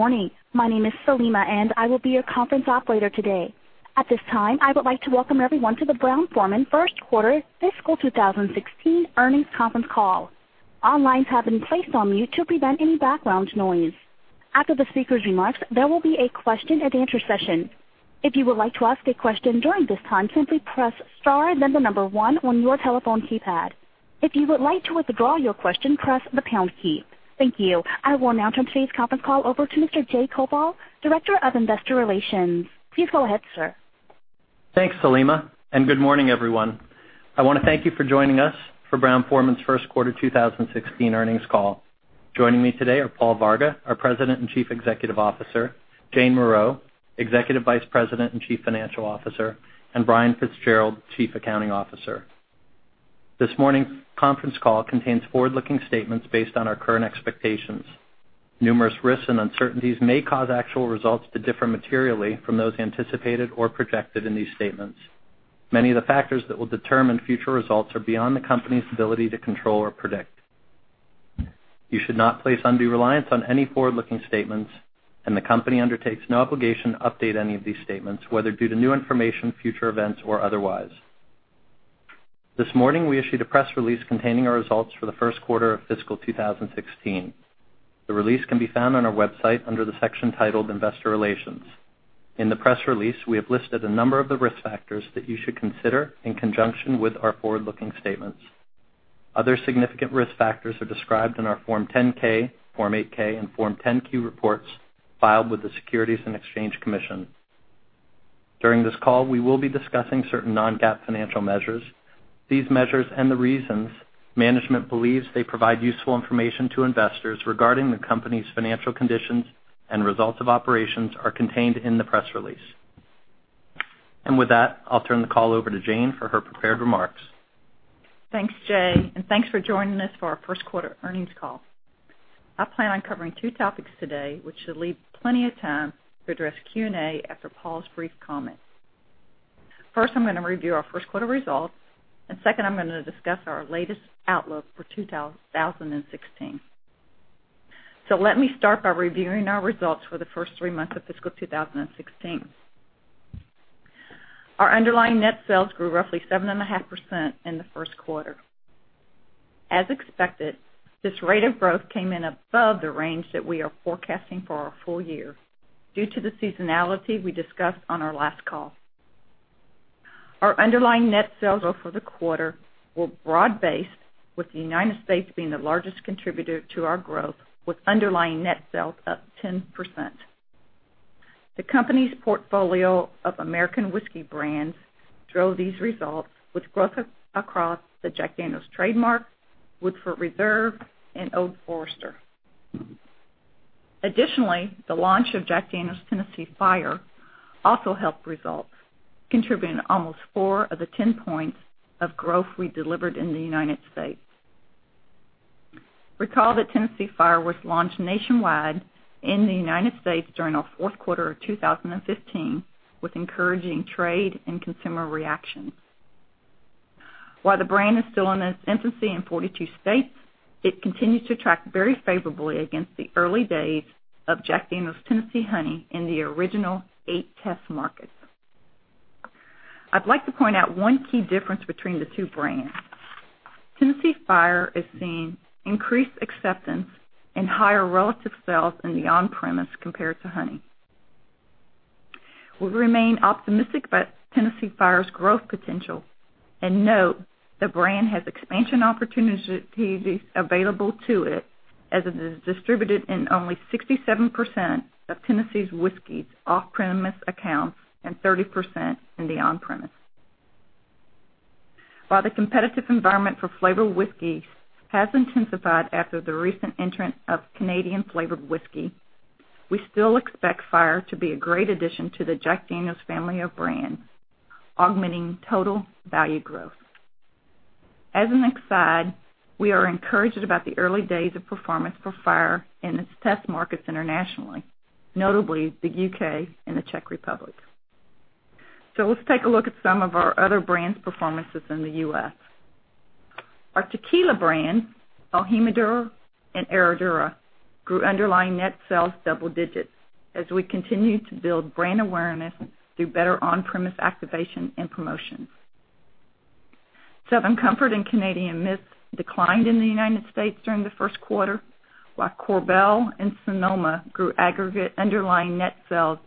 Good morning. My name is Salima, and I will be your conference operator today. At this time, I would like to welcome everyone to the Brown-Forman First Quarter Fiscal 2016 Earnings Conference Call. All lines have been placed on mute to prevent any background noise. After the speakers' remarks, there will be a question-and-answer session. If you would like to ask a question during this time, simply press star, then the number one on your telephone keypad. If you would like to withdraw your question, press the pound key. Thank you. I will now turn today's conference call over to Mr. Jay Koval, Director of Investor Relations. Please go ahead, sir. Thanks, Salima, good morning, everyone. I want to thank you for joining us for Brown-Forman's first quarter 2016 earnings call. Joining me today are Paul Varga, our President and Chief Executive Officer; Jane Morreau, Executive Vice President and Chief Financial Officer; and Brian Fitzgerald, Chief Accounting Officer. This morning's conference call contains forward-looking statements based on our current expectations. Numerous risks and uncertainties may cause actual results to differ materially from those anticipated or projected in these statements. Many of the factors that will determine future results are beyond the company's ability to control or predict. You should not place undue reliance on any forward-looking statements, the company undertakes no obligation to update any of these statements, whether due to new information, future events, or otherwise. This morning, we issued a press release containing our results for the first quarter of fiscal 2016. The release can be found on our website under the section titled Investor Relations. In the press release, we have listed a number of the risk factors that you should consider in conjunction with our forward-looking statements. Other significant risk factors are described in our Form 10-K, Form 8-K, and Form 10-Q reports filed with the Securities and Exchange Commission. During this call, we will be discussing certain non-GAAP financial measures. These measures and the reasons management believes they provide useful information to investors regarding the company's financial conditions and results of operations are contained in the press release. With that, I'll turn the call over to Jane for her prepared remarks. Thanks, Jay, thanks for joining us for our first quarter earnings call. I plan on covering two topics today, which should leave plenty of time to address Q&A after Paul's brief comments. First, I'm going to review our first quarter results, second, I'm going to discuss our latest outlook for 2016. Let me start by reviewing our results for the first three months of fiscal 2016. Our underlying net sales grew roughly 7.5% in the first quarter. As expected, this rate of growth came in above the range that we are forecasting for our full year due to the seasonality we discussed on our last call. Our underlying net sales growth for the quarter were broad-based, with the United States being the largest contributor to our growth, with underlying net sales up 10%. The company's portfolio of American whiskey brands drove these results with growth across the Jack Daniel's trademark, Woodford Reserve, and Old Forester. Additionally, the launch of Jack Daniel's Tennessee Fire also helped results, contributing almost four of the 10 points of growth we delivered in the U.S. Recall that Tennessee Fire was launched nationwide in the U.S. during our fourth quarter of 2015 with encouraging trade and consumer reactions. While the brand is still in its infancy in 42 states, it continues to track very favorably against the early days of Jack Daniel's Tennessee Honey in the original eight test markets. I'd like to point out one key difference between the two brands. Tennessee Fire is seeing increased acceptance and higher relative sales in the on-premise compared to Honey. We remain optimistic about Tennessee Fire's growth potential and note the brand has expansion opportunities available to it as it is distributed in only 67% of Tennessee whiskey's off-premise accounts and 30% in the on-premise. While the competitive environment for flavored whiskey has intensified after the recent entrance of Canadian flavored whiskey, we still expect Fire to be a great addition to the Jack Daniel's family of brands, augmenting total value growth. As an aside, we are encouraged about the early days of performance for Fire in its test markets internationally, notably the U.K. and the Czech Republic. Let's take a look at some of our other brands' performances in the U.S. Our tequila brands, el Jimador and Herradura, grew underlying net sales double digits as we continue to build brand awareness through better on-premise activation and promotions. Southern Comfort and Canadian Mist declined in the U.S. during the first quarter, while Korbel and Sonoma-Cutrer grew aggregate underlying net sales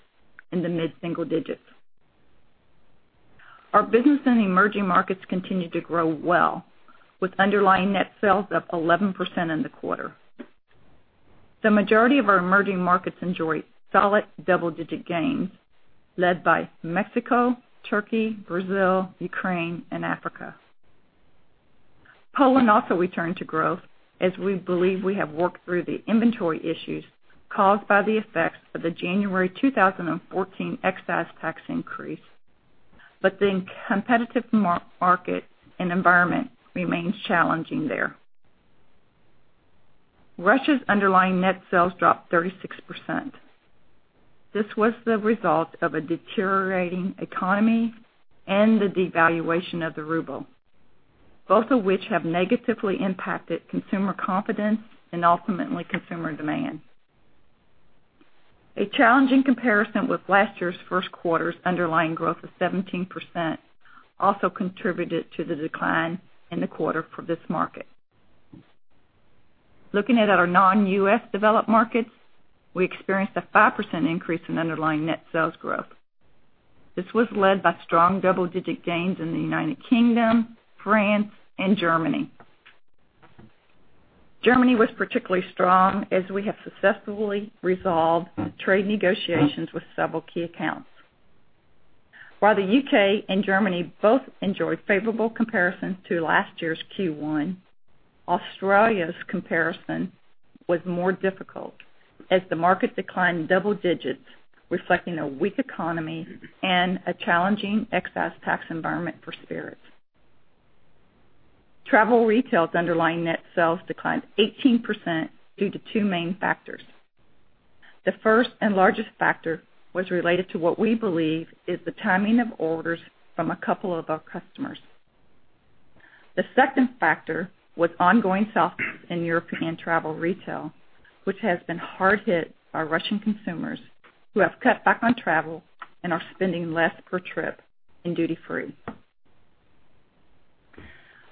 in the mid-single digits. Our business in emerging markets continued to grow well, with underlying net sales up 11% in the quarter. The majority of our emerging markets enjoyed solid double-digit gains led by Mexico, Turkey, Brazil, Ukraine, and Africa. Poland also returned to growth as we believe we have worked through the inventory issues caused by the effects of the January 2014 excise tax increase, but the competitive market and environment remains challenging there. Russia's underlying net sales dropped 36%. This was the result of a deteriorating economy and the devaluation of the ruble, both of which have negatively impacted consumer confidence and ultimately consumer demand. A challenging comparison with last year's first quarter's underlying growth of 17% also contributed to the decline in the quarter for this market. Looking at our non-U.S. developed markets, we experienced a 5% increase in underlying net sales growth. This was led by strong double-digit gains in the U.K., France, and Germany. Germany was particularly strong as we have successfully resolved trade negotiations with several key accounts. While the U.K. and Germany both enjoyed favorable comparison to last year's Q1, Australia's comparison was more difficult, as the market declined double digits, reflecting a weak economy and a challenging excise tax environment for spirits. Travel retail's underlying net sales declined 18% due to two main factors. The first and largest factor was related to what we believe is the timing of orders from a couple of our customers. The second factor was ongoing softness in European travel retail, which has been hard hit by Russian consumers who have cut back on travel and are spending less per trip in duty free.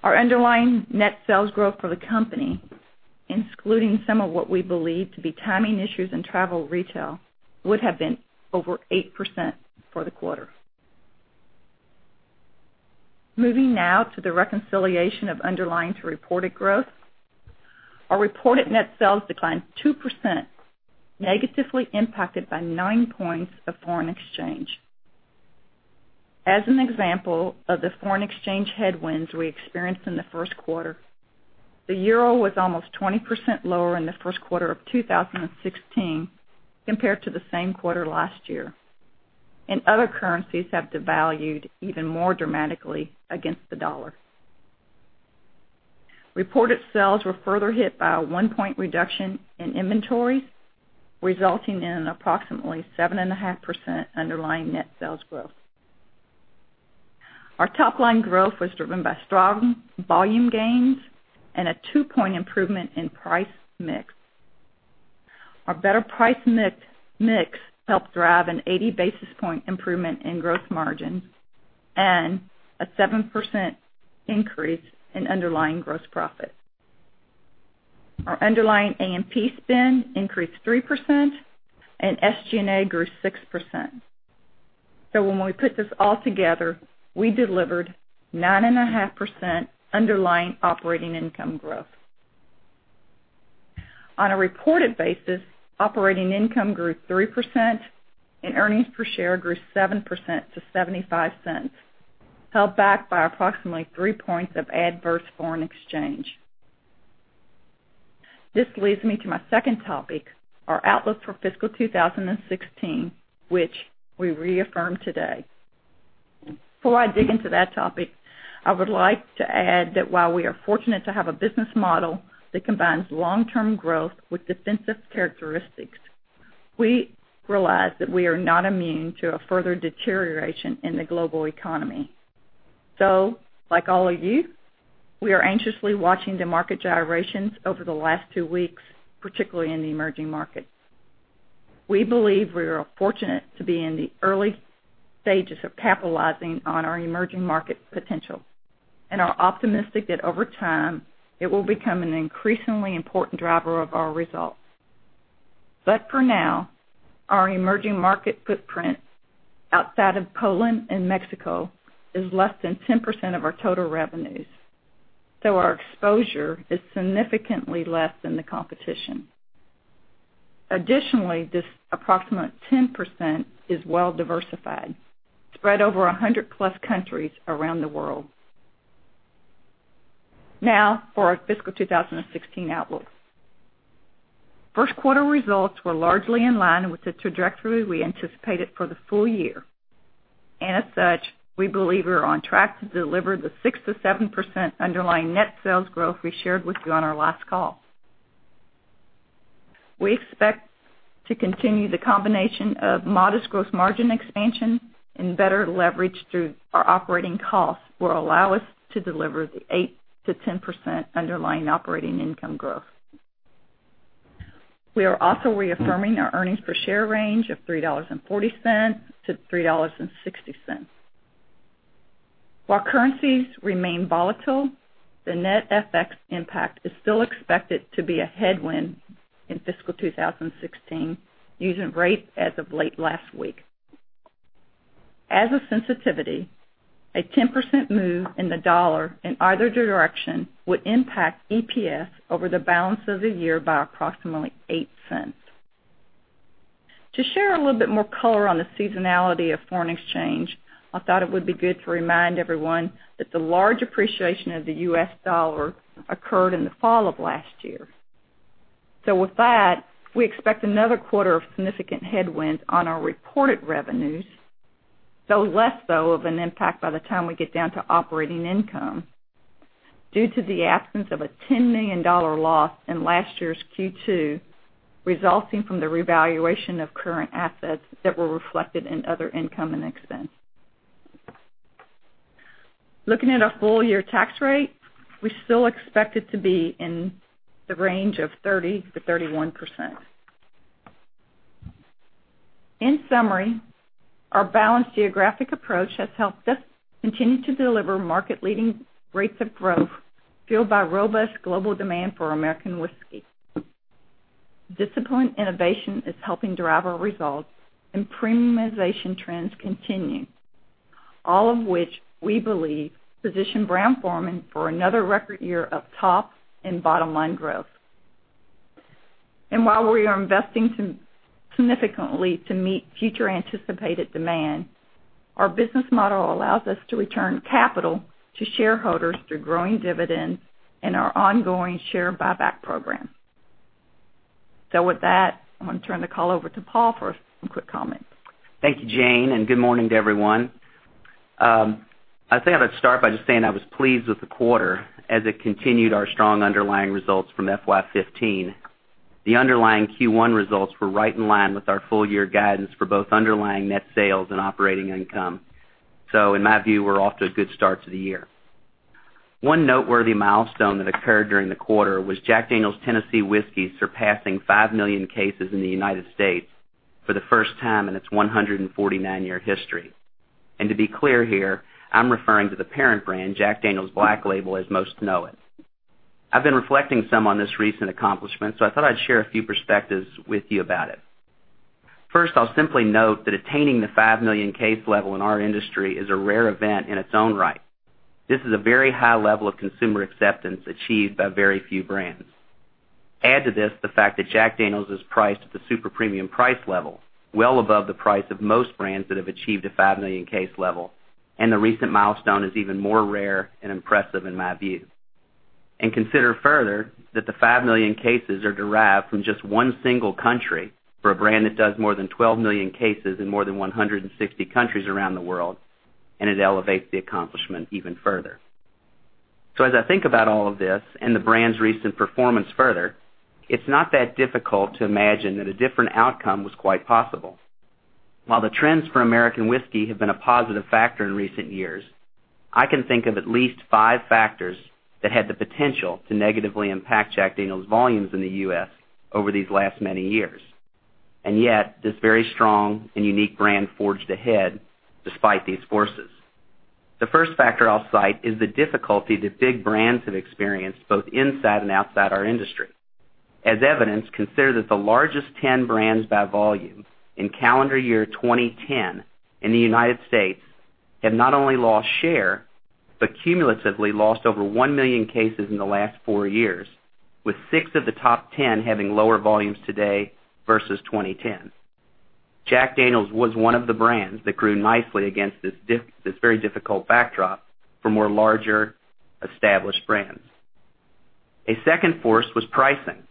Our underlying net sales growth for the company, excluding some of what we believe to be timing issues in travel retail, would have been over 8% for the quarter. Moving now to the reconciliation of underlying to reported growth. Our reported net sales declined 2%, negatively impacted by nine points of foreign exchange. As an example of the foreign exchange headwinds we experienced in the first quarter, the euro was almost 20% lower in the first quarter of 2016 compared to the same quarter last year, and other currencies have devalued even more dramatically against the US dollar. Reported sales were further hit by a one-point reduction in inventories, resulting in an approximately 7.5% underlying net sales growth. Our top-line growth was driven by strong volume gains and a two-point improvement in price mix. Our better price mix helped drive an 80 basis point improvement in growth margin and a 7% increase in underlying gross profit. Our underlying A&P spend increased 3% and SG&A grew 6%. When we put this all together, we delivered 9.5% underlying operating income growth. On a reported basis, operating income grew 3% and earnings per share grew 7% to $0.75, held back by approximately three points of adverse foreign exchange. This leads me to my second topic, our outlook for fiscal 2016, which we reaffirm today. Before I dig into that topic, I would like to add that while we are fortunate to have a business model that combines long-term growth with defensive characteristics, we realize that we are not immune to a further deterioration in the global economy. Like all of you, we are anxiously watching the market gyrations over the last two weeks, particularly in the emerging markets. We believe we are fortunate to be in the early stages of capitalizing on our emerging market potential and are optimistic that over time it will become an increasingly important driver of our results. But for now, our emerging market footprint outside of Poland and Mexico is less than 10% of our total revenues. Our exposure is significantly less than the competition. Additionally, this approximate 10% is well diversified, spread over 100-plus countries around the world. Now for our fiscal 2016 outlook. First quarter results were largely in line with the trajectory we anticipated for the full year. As such, we believe we are on track to deliver the 6%-7% underlying net sales growth we shared with you on our last call. We expect to continue the combination of modest gross margin expansion and better leverage through our operating costs will allow us to deliver the 8%-10% underlying operating income growth. We are also reaffirming our earnings per share range of $3.40-$3.60. While currencies remain volatile, the net FX impact is still expected to be a headwind in fiscal 2016 using rates as of late last week. As a sensitivity, a 10% move in the US dollar in either direction would impact EPS over the balance of the year by approximately $0.08. To share a little bit more color on the seasonality of foreign exchange, I thought it would be good to remind everyone that the large appreciation of the US dollar occurred in the fall of last year. With that, we expect another quarter of significant headwinds on our reported revenues, though less so of an impact by the time we get down to operating income. Due to the absence of a $10 million loss in last year's Q2, resulting from the revaluation of current assets that were reflected in other income and expense. Looking at a full-year tax rate, we still expect it to be in the range of 30%-31%. In summary, our balanced geographic approach has helped us continue to deliver market-leading rates of growth fueled by robust global demand for American whiskey. Disciplined innovation is helping drive our results and premiumization trends continue. All of which we believe position Brown-Forman for another record year of top and bottom-line growth. While we are investing significantly to meet future anticipated demand, our business model allows us to return capital to shareholders through growing dividends and our ongoing share buyback program. With that, I want to turn the call over to Paul for some quick comments. Thank you, Jane, and good morning to everyone. I think I'd start by just saying I was pleased with the quarter as it continued our strong underlying results from FY 2015. The underlying Q1 results were right in line with our full-year guidance for both underlying net sales and operating income. In my view, we're off to a good start to the year. One noteworthy milestone that occurred during the quarter was Jack Daniel's Tennessee Whiskey surpassing 5 million cases in the U.S. for the first time in its 149-year history. To be clear here, I'm referring to the parent brand, Jack Daniel's Black Label, as most know it. I've been reflecting some on this recent accomplishment, I thought I'd share a few perspectives with you about it. First, I'll simply note that attaining the 5 million case level in our industry is a rare event in its own right. This is a very high level of consumer acceptance achieved by very few brands. Add to this the fact that Jack Daniel's is priced at the super premium price level, well above the price of most brands that have achieved a 5 million case level, the recent milestone is even more rare and impressive in my view. Consider further that the 5 million cases are derived from just one single country for a brand that does more than 12 million cases in more than 160 countries around the world, it elevates the accomplishment even further. As I think about all of this and the brand's recent performance further, it's not that difficult to imagine that a different outcome was quite possible. While the trends for American whiskey have been a positive factor in recent years, I can think of at least five factors that had the potential to negatively impact Jack Daniel's volumes in the U.S. over these last many years. Yet, this very strong and unique brand forged ahead despite these forces. The first factor I'll cite is the difficulty that big brands have experienced both inside and outside our industry. As evidence, consider that the largest 10 brands by volume in calendar year 2010 in the United States have not only lost share, but cumulatively lost over 1 million cases in the last four years, with six of the top 10 having lower volumes today versus 2010. Jack Daniel's was one of the brands that grew nicely against this very difficult backdrop for more larger, established brands. A second force was pricing.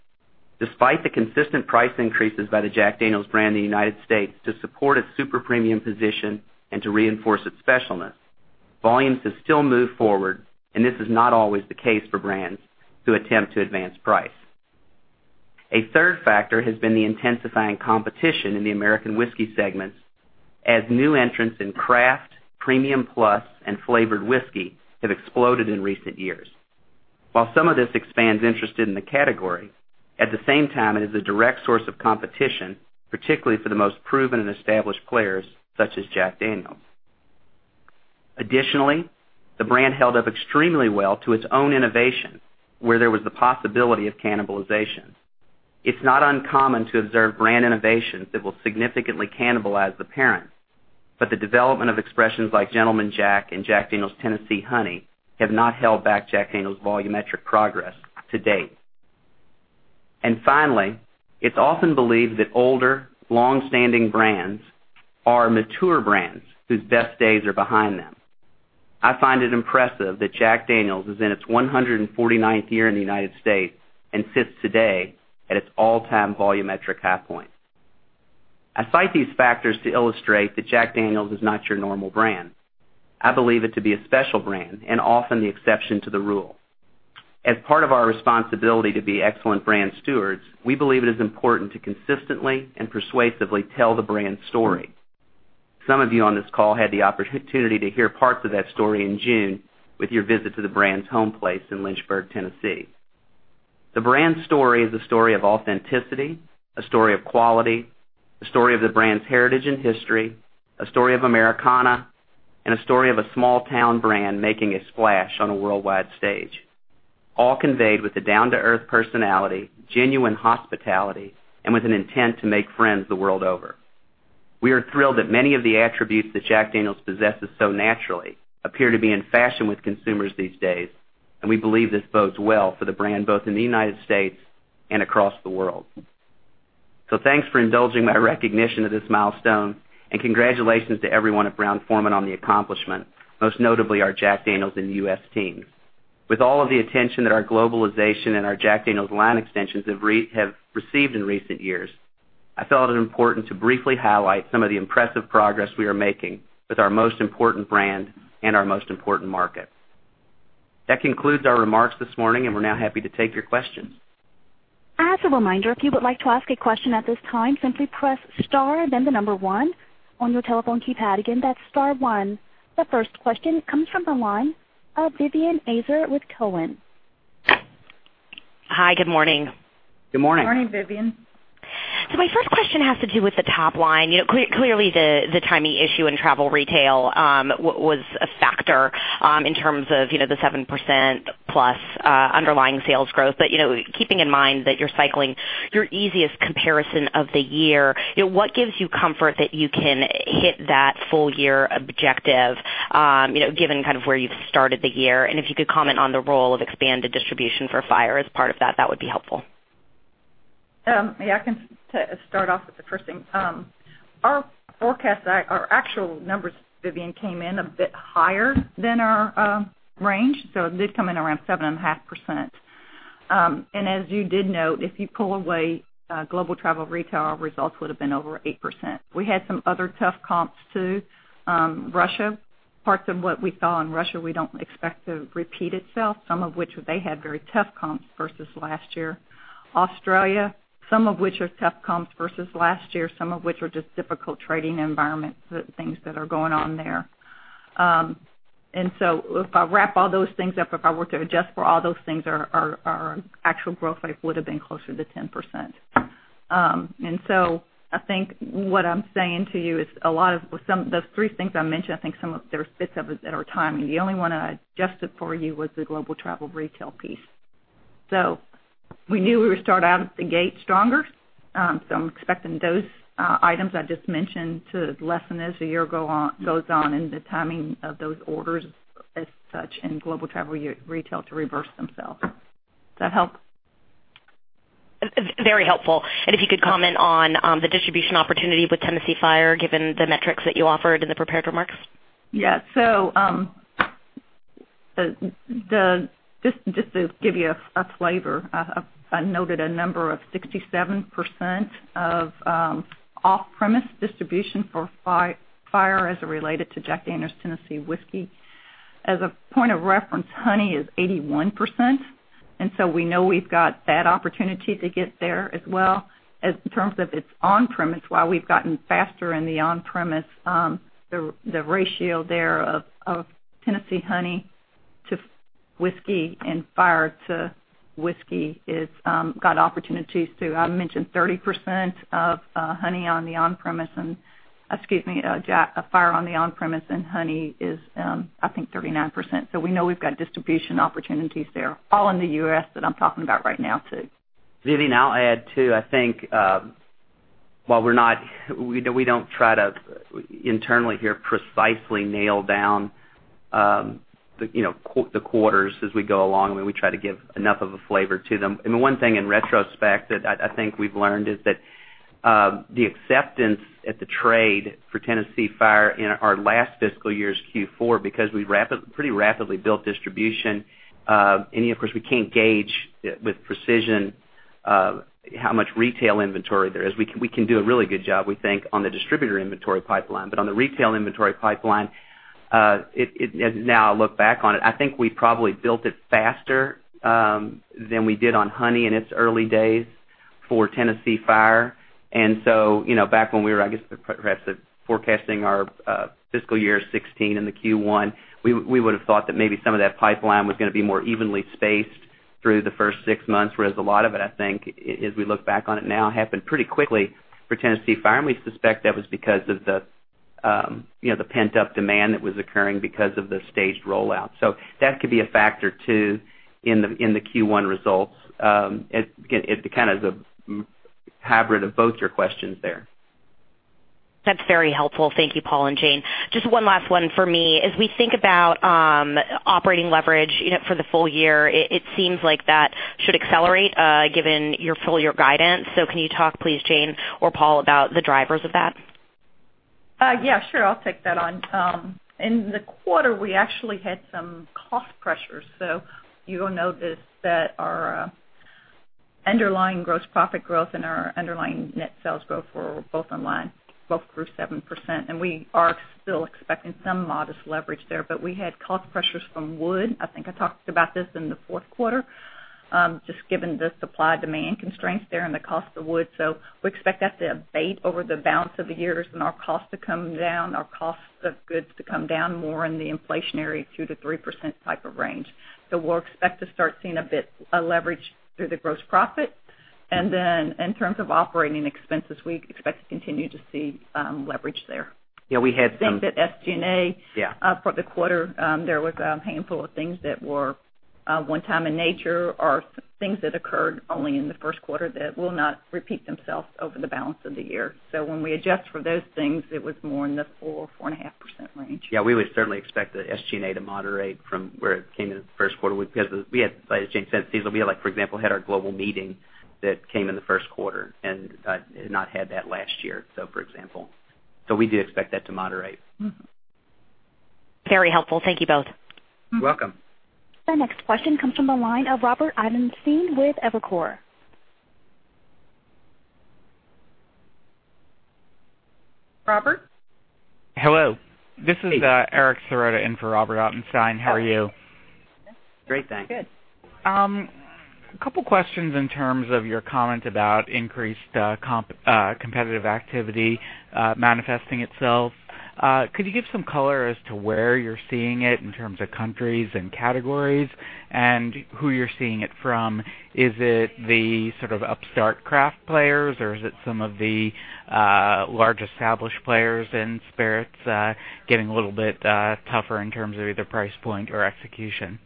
Despite the consistent price increases by the Jack Daniel's brand in the United States to support its super premium position and to reinforce its specialness, volumes have still moved forward. This is not always the case for brands who attempt to advance price. A third factor has been the intensifying competition in the American whiskey segments as new entrants in craft, premium plus, and flavored whiskey have exploded in recent years. While some of this expands interest in the category, at the same time, it is a direct source of competition, particularly for the most proven and established players such as Jack Daniel's. Additionally, the brand held up extremely well to its own innovation where there was the possibility of cannibalization. It's not uncommon to observe brand innovations that will significantly cannibalize the parent. The development of expressions like Gentleman Jack and Jack Daniel's Tennessee Honey have not held back Jack Daniel's volumetric progress to date. Finally, it's often believed that older, longstanding brands are mature brands whose best days are behind them. I find it impressive that Jack Daniel's is in its 149th year in the United States and sits today at its all-time volumetric high point. I cite these factors to illustrate that Jack Daniel's is not your normal brand. I believe it to be a special brand and often the exception to the rule. As part of our responsibility to be excellent brand stewards, we believe it is important to consistently and persuasively tell the brand story. Some of you on this call had the opportunity to hear parts of that story in June with your visit to the brand's homeplace in Lynchburg, Tennessee. The brand story is a story of authenticity, a story of quality, a story of the brand's heritage and history, a story of Americana, and a story of a small-town brand making a splash on a worldwide stage. All conveyed with a down-to-earth personality, genuine hospitality, and with an intent to make friends the world over. We are thrilled that many of the attributes that Jack Daniel's possesses so naturally appear to be in fashion with consumers these days, and we believe this bodes well for the brand, both in the United States and across the world. Thanks for indulging my recognition of this milestone. Congratulations to everyone at Brown-Forman on the accomplishment, most notably our Jack Daniel's and U.S. teams. With all of the attention that our globalization and our Jack Daniel's line extensions have received in recent years I felt it important to briefly highlight some of the impressive progress we are making with our most important brand and our most important market. That concludes our remarks this morning, and we're now happy to take your questions. As a reminder, if you would like to ask a question at this time, simply press star, then the number one on your telephone keypad. Again, that's star one. The first question comes from the line of Vivien Azer with Cowen. Hi. Good morning. Good morning. Morning, Vivien. My first question has to do with the top line. Clearly, the timing issue in travel retail was a factor in terms of the 7%+ underlying sales growth. Keeping in mind that you're cycling your easiest comparison of the year, what gives you comfort that you can hit that full year objective, given kind of where you've started the year? If you could comment on the role of expanded distribution for Fire as part of that would be helpful. Yeah, I can start off with the first thing. Our forecasts, our actual numbers, Vivien, came in a bit higher than our range, so it did come in around 7.5%. As you did note, if you pull away global travel retail, our results would have been over 8%. We had some other tough comps, too. Russia, parts of what we saw in Russia, we don't expect to repeat itself, some of which they had very tough comps versus last year. Australia, some of which are tough comps versus last year, some of which are just difficult trading environments, things that are going on there. If I wrap all those things up, if I were to adjust for all those things, our actual growth rate would have been closer to 10%. I think what I'm saying to you is those three things I mentioned, I think there's bits of it that are timing. The only one I adjusted for you was the global travel retail piece. We knew we would start out of the gate stronger. I'm expecting those items I just mentioned to lessen as the year goes on and the timing of those orders as such and global travel retail to reverse themselves. Does that help? Very helpful. If you could comment on the distribution opportunity with Jack Daniel's Tennessee Fire, given the metrics that you offered in the prepared remarks? Yeah. Just to give you a flavor, I noted a number of 67% of off-premise distribution for Fire as it related to Jack Daniel's Tennessee Whiskey. As a point of reference, Honey is 81%. We know we've got that opportunity to get there as well. In terms of its on-premise, while we've gotten faster in the on-premise, the ratio there of Jack Daniel's Tennessee Honey to whiskey and Fire to whiskey, it's got opportunities, too. I mentioned 30% of Fire on the on-premise, and Honey is, I think, 39%. We know we've got distribution opportunities there, all in the U.S. that I'm talking about right now, too. Vivien, I'll add, too, I think, while we don't try to internally here precisely nail down the quarters as we go along, and we try to give enough of a flavor to them. The one thing in retrospect that I think we've learned is that the acceptance at the trade for Jack Daniel's Tennessee Fire in our last fiscal year's Q4, because we pretty rapidly built distribution, and of course, we can't gauge with precision how much retail inventory there is. We can do a really good job, we think, on the distributor inventory pipeline, but on the retail inventory pipeline, as now I look back on it, I think we probably built it faster than we did on Honey in its early days for Jack Daniel's Tennessee Fire. Back when we were, I guess, forecasting our fiscal year 2016 in the Q1, we would've thought that maybe some of that pipeline was going to be more evenly spaced through the first six months, whereas a lot of it, I think, as we look back on it now, happened pretty quickly for Jack Daniel's Tennessee Fire, and we suspect that was because of the pent-up demand that was occurring because of the staged rollout. That could be a factor, too, in the Q1 results. It's kind of the hybrid of both your questions there. That's very helpful. Thank you, Paul and Jane. Just one last one for me. As we think about operating leverage for the full year, it seems like that should accelerate, given your full-year guidance. Can you talk please, Jane or Paul, about the drivers of that? Yeah, sure. I'll take that on. In the quarter, we actually had some cost pressures. You will notice that our underlying gross profit growth and our underlying net sales growth were both online, both grew 7%. We are still expecting some modest leverage there. We had cost pressures from wood. I think I talked about this in the fourth quarter. Just given the supply-demand constraints there and the cost of wood. We expect that to abate over the balance of the year as our costs to come down, our costs of goods to come down more in the inflationary 2%-3% type of range. We'll expect to start seeing a bit of leverage through the gross profit. In terms of operating expenses, we expect to continue to see leverage there. Yeah, we had. I think that. Yeah for the quarter, there was a handful of things that were one time in nature or things that occurred only in the first quarter that will not repeat themselves over the balance of the year. When we adjust for those things, it was more in the 4%, 4.5% range. Yeah, we would certainly expect the SG&A to moderate from where it came in the first quarter because we had, as Jane said, seasonal. We, for example, had our global meeting that came in the first quarter and had not had that last year, for example. We do expect that to moderate. Mm-hmm. Very helpful. Thank you both. You're welcome. Our next question comes from the line of Robert Ottenstein with Evercore. Robert? Hello. This is Eric Serotta in for Robert Ottenstein. How are you? Great, thanks. Good. A couple questions in terms of your comment about increased competitive activity manifesting itself. Could you give some color as to where you're seeing it in terms of countries and categories and who you're seeing it from? Is it the sort of upstart craft players, or is it some of the large established players in spirits getting a little bit tougher in terms of either price point or execution?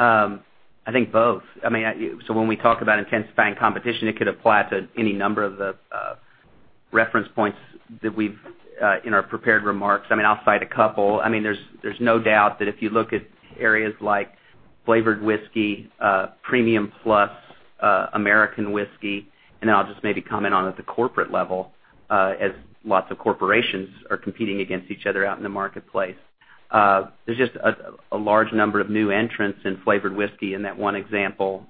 I think both. When we talk about intensifying competition, it could apply to any number of the reference points in our prepared remarks. I'll cite a couple. There's no doubt that if you look at areas like flavored whiskey, premium plus American whiskey, and then I'll just maybe comment on it at the corporate level as lots of corporations are competing against each other out in the marketplace. There's just a large number of new entrants in flavored whiskey in that one example.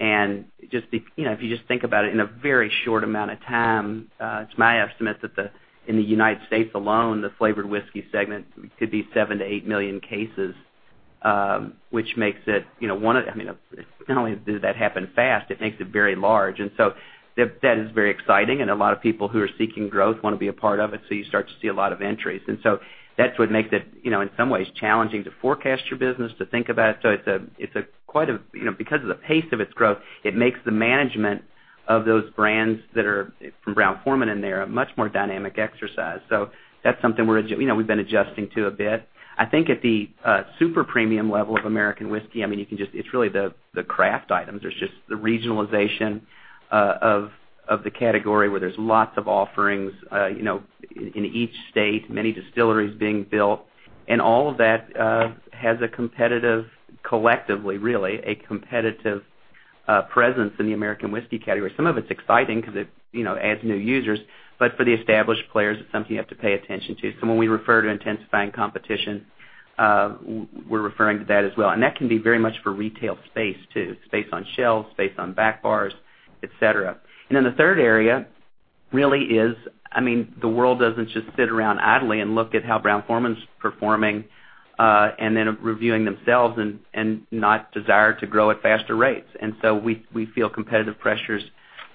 If you just think about it, in a very short amount of time, it's my estimate that in the U.S. alone, the flavored whiskey segment could be 7 million-8 million cases, which makes it, not only did that happen fast, it makes it very large. That is very exciting, and a lot of people who are seeking growth want to be a part of it, so you start to see a lot of entries. That's what makes it, in some ways, challenging to forecast your business, to think about. Because of the pace of its growth, it makes the management of those brands that are from Brown-Forman in there a much more dynamic exercise. That's something we've been adjusting to a bit. I think at the super premium level of American whiskey, it's really the craft items. There's just the regionalization of the category where there's lots of offerings in each state, many distilleries being built, and all of that has a competitive, collectively, really a competitive presence in the American whiskey category. Some of it's exciting because it adds new users, but for the established players, it's something you have to pay attention to. When we refer to intensifying competition, we're referring to that as well. That can be very much for retail space, too, space on shelves, space on back bars, et cetera. The third area really is, the world doesn't just sit around idly and look at how Brown-Forman's performing, and then reviewing themselves and not desire to grow at faster rates. We feel competitive pressures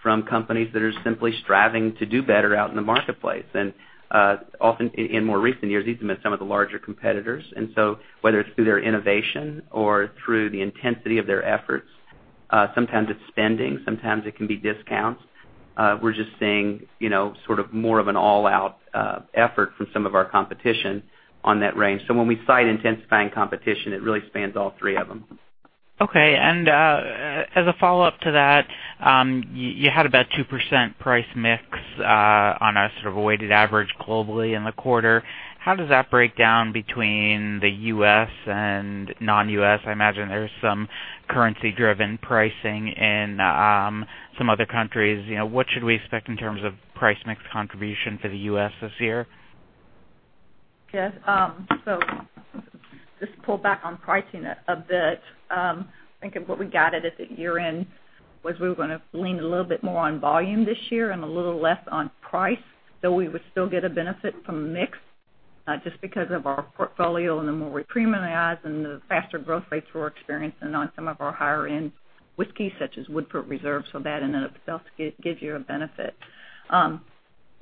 from companies that are simply striving to do better out in the marketplace. Often in more recent years, these have been some of the larger competitors. Whether it's through their innovation or through the intensity of their efforts, sometimes it's spending, sometimes it can be discounts. We're just seeing more of an all-out effort from some of our competition on that range. When we cite intensifying competition, it really spans all three of them. Okay. As a follow-up to that, you had about 2% price mix on a sort of weighted average globally in the quarter. How does that break down between the U.S. and non-U.S.? I imagine there's some currency-driven pricing in some other countries. What should we expect in terms of price mix contribution for the U.S. this year? Yes. Just pull back on pricing a bit. Think of what we guided at the year-end, was we were going to lean a little bit more on volume this year and a little less on price, though we would still get a benefit from mix, just because of our portfolio and the more we premiumize and the faster growth rates we're experiencing on some of our higher-end whiskey, such as Woodford Reserve, so that in and of itself gives you a benefit.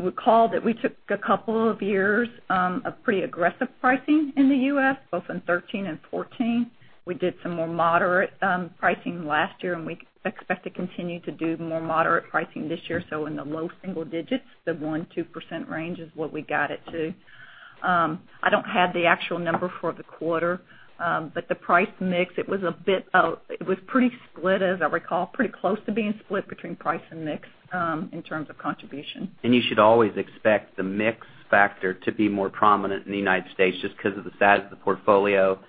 Recall that we took a couple of years of pretty aggressive pricing in the U.S., both in 2013 and 2014. We did some more moderate pricing last year, and we expect to continue to do more moderate pricing this year. In the low single digits, the 1%-2% range is what we got it to. I don't have the actual number for the quarter. The price mix, it was pretty split, as I recall, pretty close to being split between price and mix, in terms of contribution. You should always expect the mix factor to be more prominent in the United States just because of the status of the portfolio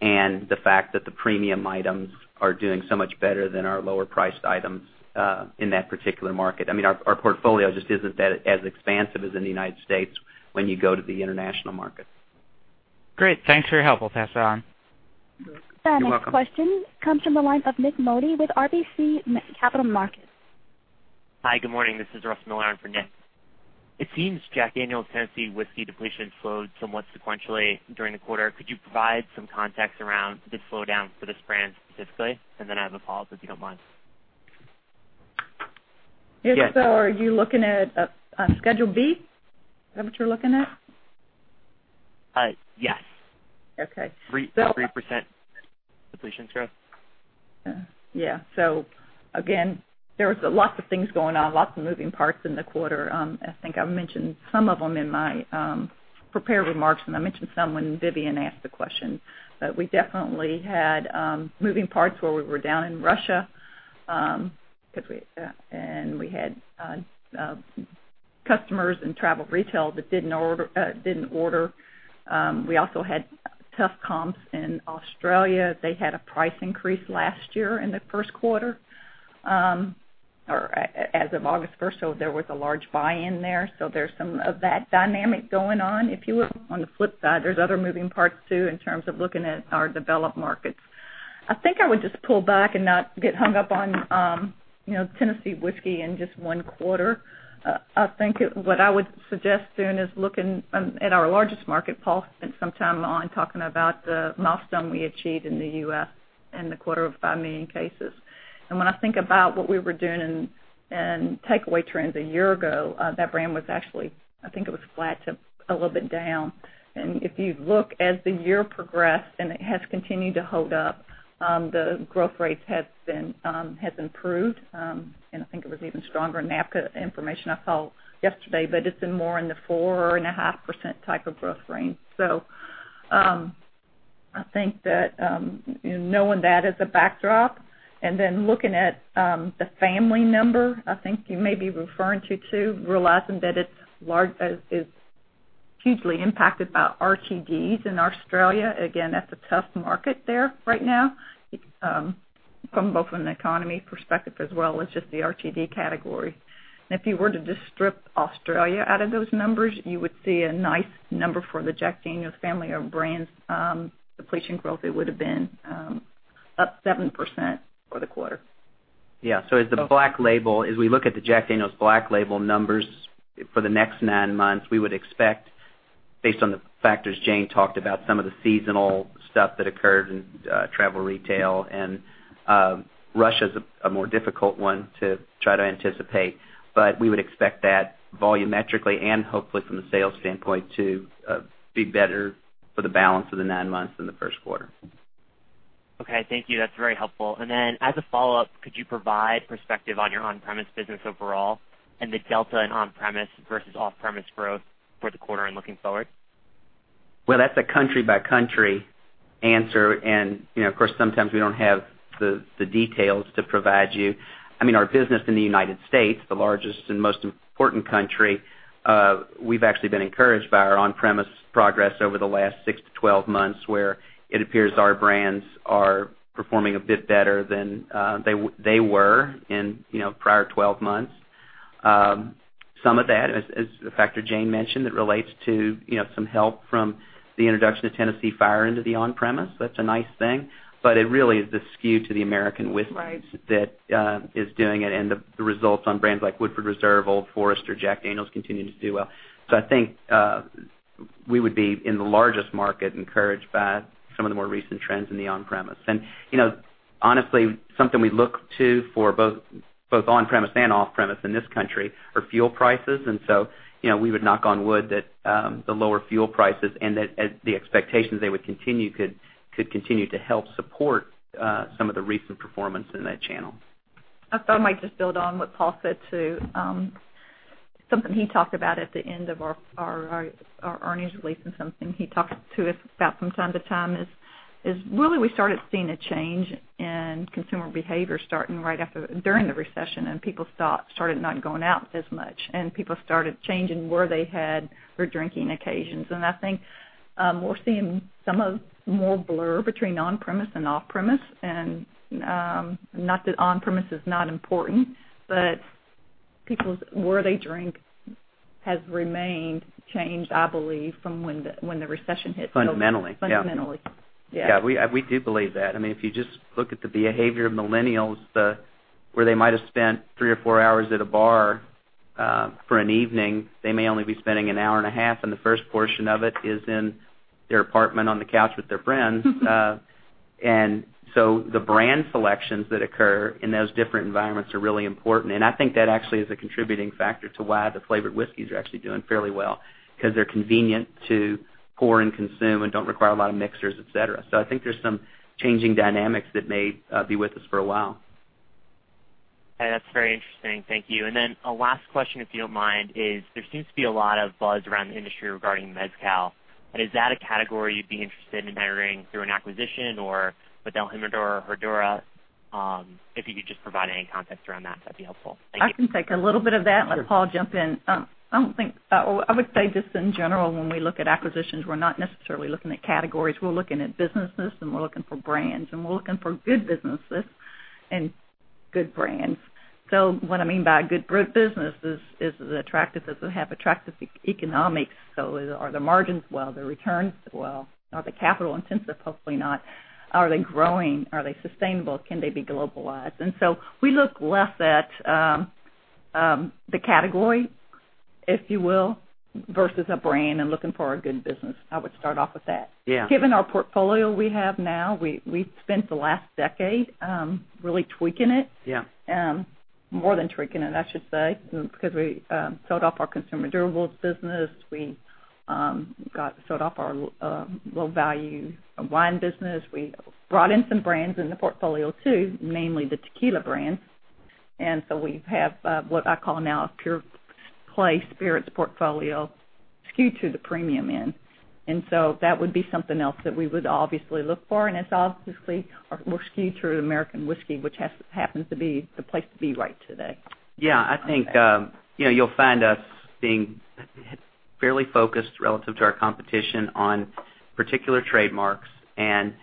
and the fact that the premium items are doing so much better than our lower-priced items in that particular market. Our portfolio just isn't as expansive as in the United States when you go to the international markets. Great. Thanks for your help. I'll pass it on. You're welcome. Next question comes from the line of Nik Modi with RBC Capital Markets. Hi, good morning. This is Russ Miller in for Nik. It seems Jack Daniel's Tennessee Whiskey depletion slowed somewhat sequentially during the quarter. Could you provide some context around the slowdown for this brand specifically? I have a follow-up, if you don't mind. Yes, are you looking at Schedule B? Is that what you're looking at? Yes. Okay. 3% depletion growth. Yeah. Again, there was lots of things going on, lots of moving parts in the quarter. I think I've mentioned some of them in my prepared remarks, and I mentioned some when Vivien asked the question. We definitely had moving parts where we were down in Russia, and we had customers in travel retail that didn't order. We also had tough comps in Australia. They had a price increase last year in the first quarter. Or as of August 1st, there was a large buy-in there. There's some of that dynamic going on. If you look on the flip side, there's other moving parts too, in terms of looking at our developed markets. I think I would just pull back and not get hung up on Tennessee Whiskey in just one quarter. I think what I would suggest doing is looking at our largest market, Paul spent some time on talking about the milestone we achieved in the U.S. in the quarter of 5 million cases. When I think about what we were doing in takeaway trends a year ago, that brand was actually, I think it was flat to a little bit down. If you look as the year progressed, and it has continued to hold up, the growth rates has improved. I think it was even stronger in APPA information I saw yesterday, but it's been more in the 4.5% type of growth range. I think that knowing that as a backdrop and then looking at the family number, I think you may be referring to too, realizing that it's hugely impacted by RTDs in Australia. That's a tough market there right now, from both an economy perspective as well as just the RTD category. If you were to just strip Australia out of those numbers, you would see a nice number for the Jack Daniel's family of brands. Depletion growth, it would've been up 7% for the quarter. As we look at the Jack Daniel's Black Label numbers for the next 9 months, we would expect, based on the factors Jane talked about, some of the seasonal stuff that occurred in travel retail, and Russia's a more difficult one to try to anticipate. We would expect that volumetrically and hopefully from a sales standpoint, to be better for the balance of the 9 months than the 1st quarter. Okay, thank you. That's very helpful. As a follow-up, could you provide perspective on your on-premise business overall and the delta in on-premise versus off-premise growth for the quarter and looking forward? Well, that's a country-by-country answer. Of course, sometimes we don't have the details to provide you. Our business in the U.S., the largest and most important country, we've actually been encouraged by our on-premise progress over the last six to 12 months, where it appears our brands are performing a bit better than they were in prior 12 months. Some of that, as a factor Jane mentioned, that relates to some help from the introduction of Tennessee Fire into the on-premise. That's a nice thing. It really is the skew to the American whiskeys. Right that is doing it, and the results on brands like Woodford Reserve, Old Forester, Jack Daniel's continuing to do well. I think, we would be, in the largest market, encouraged by some of the more recent trends in the on-premise. Honestly, something we look to for both on-premise and off-premise in this country are fuel prices. We would knock on wood that the lower fuel prices and that the expectations they would continue could continue to help support some of the recent performance in that channel. I thought I might just build on what Paul said, too. Something he talked about at the end of our earnings release and something he talked to us about from time to time is really we started seeing a change in consumer behavior, starting right after, during the recession, and people started not going out as much, and people started changing where they had their drinking occasions. I think, we're seeing some of more blur between on-premise and off-premise. Not that on-premise is not important, but where they drink has remained changed, I believe, from when the recession hit. Fundamentally, yeah. Fundamentally. Yeah. We do believe that. If you just look at the behavior of millennials, where they might've spent three or four hours at a bar for an evening, they may only be spending an hour and a half, and the first portion of it is in their apartment on the couch with their friends. The brand selections that occur in those different environments are really important, and I think that actually is a contributing factor to why the flavored whiskeys are actually doing fairly well, because they're convenient to pour and consume and don't require a lot of mixers, et cetera. I think there's some changing dynamics that may be with us for a while. Okay, that's very interesting. Thank you. A last question, if you don't mind, is there seems to be a lot of buzz around the industry regarding Mezcal. Is that a category you'd be interested in entering through an acquisition or with el Jimador or Herradura? If you could just provide any context around that'd be helpful. Thank you. I can take a little bit of that. Sure. Let Paul jump in. I would say just in general, when we look at acquisitions, we're not necessarily looking at categories. We're looking at businesses, and we're looking for brands, and we're looking for good businesses and good brands. What I mean by good businesses is that have attractive economics. Are the margins well? Are the returns well? Are they capital intensive? Hopefully not. Are they growing? Are they sustainable? Can they be globalized? We look less at the category, if you will, versus a brand and looking for a good business. I would start off with that. Yeah. Given our portfolio we have now, we've spent the last decade, really tweaking it. Yeah. More than tweaking it, I should say, because we sold off our consumer durables business. We sold off our low-value wine business. We brought in some brands in the portfolio, too, namely the tequila brands. We have, what I call now, a pure play spirits portfolio skewed to the premium end. That would be something else that we would obviously look for. It's obviously, we're skewed through American whiskey, which happens to be the place to be right today. Yeah, I think you'll find us being fairly focused relative to our competition on particular trademarks and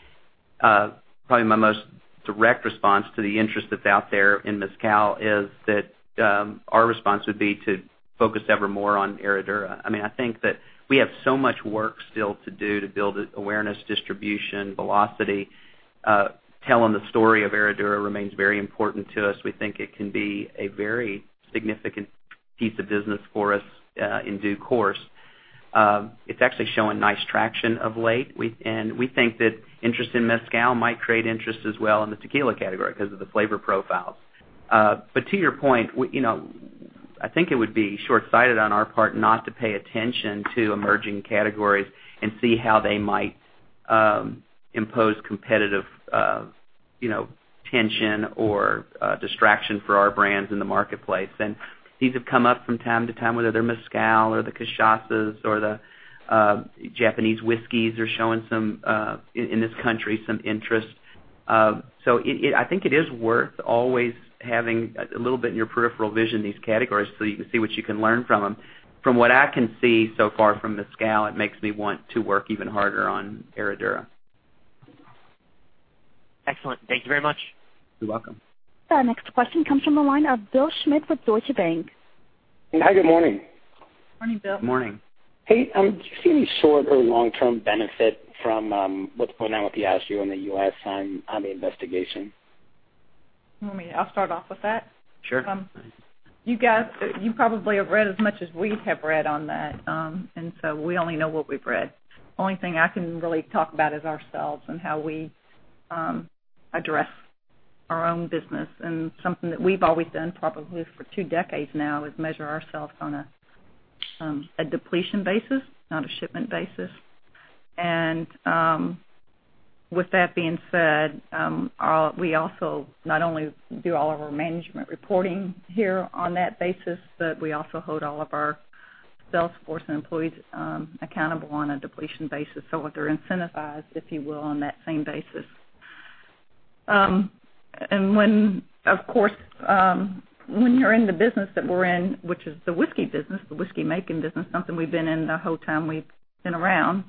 Probably my most direct response to the interest that's out there in Mezcal is that our response would be to focus ever more on Herradura. I think that we have so much work still to do to build awareness, distribution, velocity. Telling the story of Herradura remains very important to us. We think it can be a very significant piece of business for us in due course. It's actually showing nice traction of late. We think that interest in Mezcal might create interest as well in the Tequila category because of the flavor profiles. To your point, I think it would be shortsighted on our part not to pay attention to emerging categories and see how they might impose competitive tension or distraction for our brands in the marketplace. These have come up from time to time, whether they're Mezcal or the Cachaça or the Japanese whiskeys are showing, in this country, some interest. I think it is worth always having a little bit in your peripheral vision, these categories, so you can see what you can learn from them. From what I can see so far from Mezcal, it makes me want to work even harder on Herradura. Excellent. Thank you very much. You're welcome. Our next question comes from the line of Bill Schmitz with Deutsche Bank. Hi, good morning. Morning, Bill. Morning. Hey, do you see any short or long-term benefit from what's going on with Diageo in the U.S. on the investigation? You want me? I'll start off with that. Sure. You probably have read as much as we have read on that. We only know what we've read. Only thing I can really talk about is ourselves and how we address our own business. Something that we've always done, probably for two decades now, is measure ourselves on a depletion basis, not a shipment basis. With that being said, we also not only do all of our management reporting here on that basis, but we also hold all of our sales force and employees accountable on a depletion basis. They're incentivized, if you will, on that same basis. When you're in the business that we're in, which is the whiskey business, the whiskey-making business, something we've been in the whole time we've been around,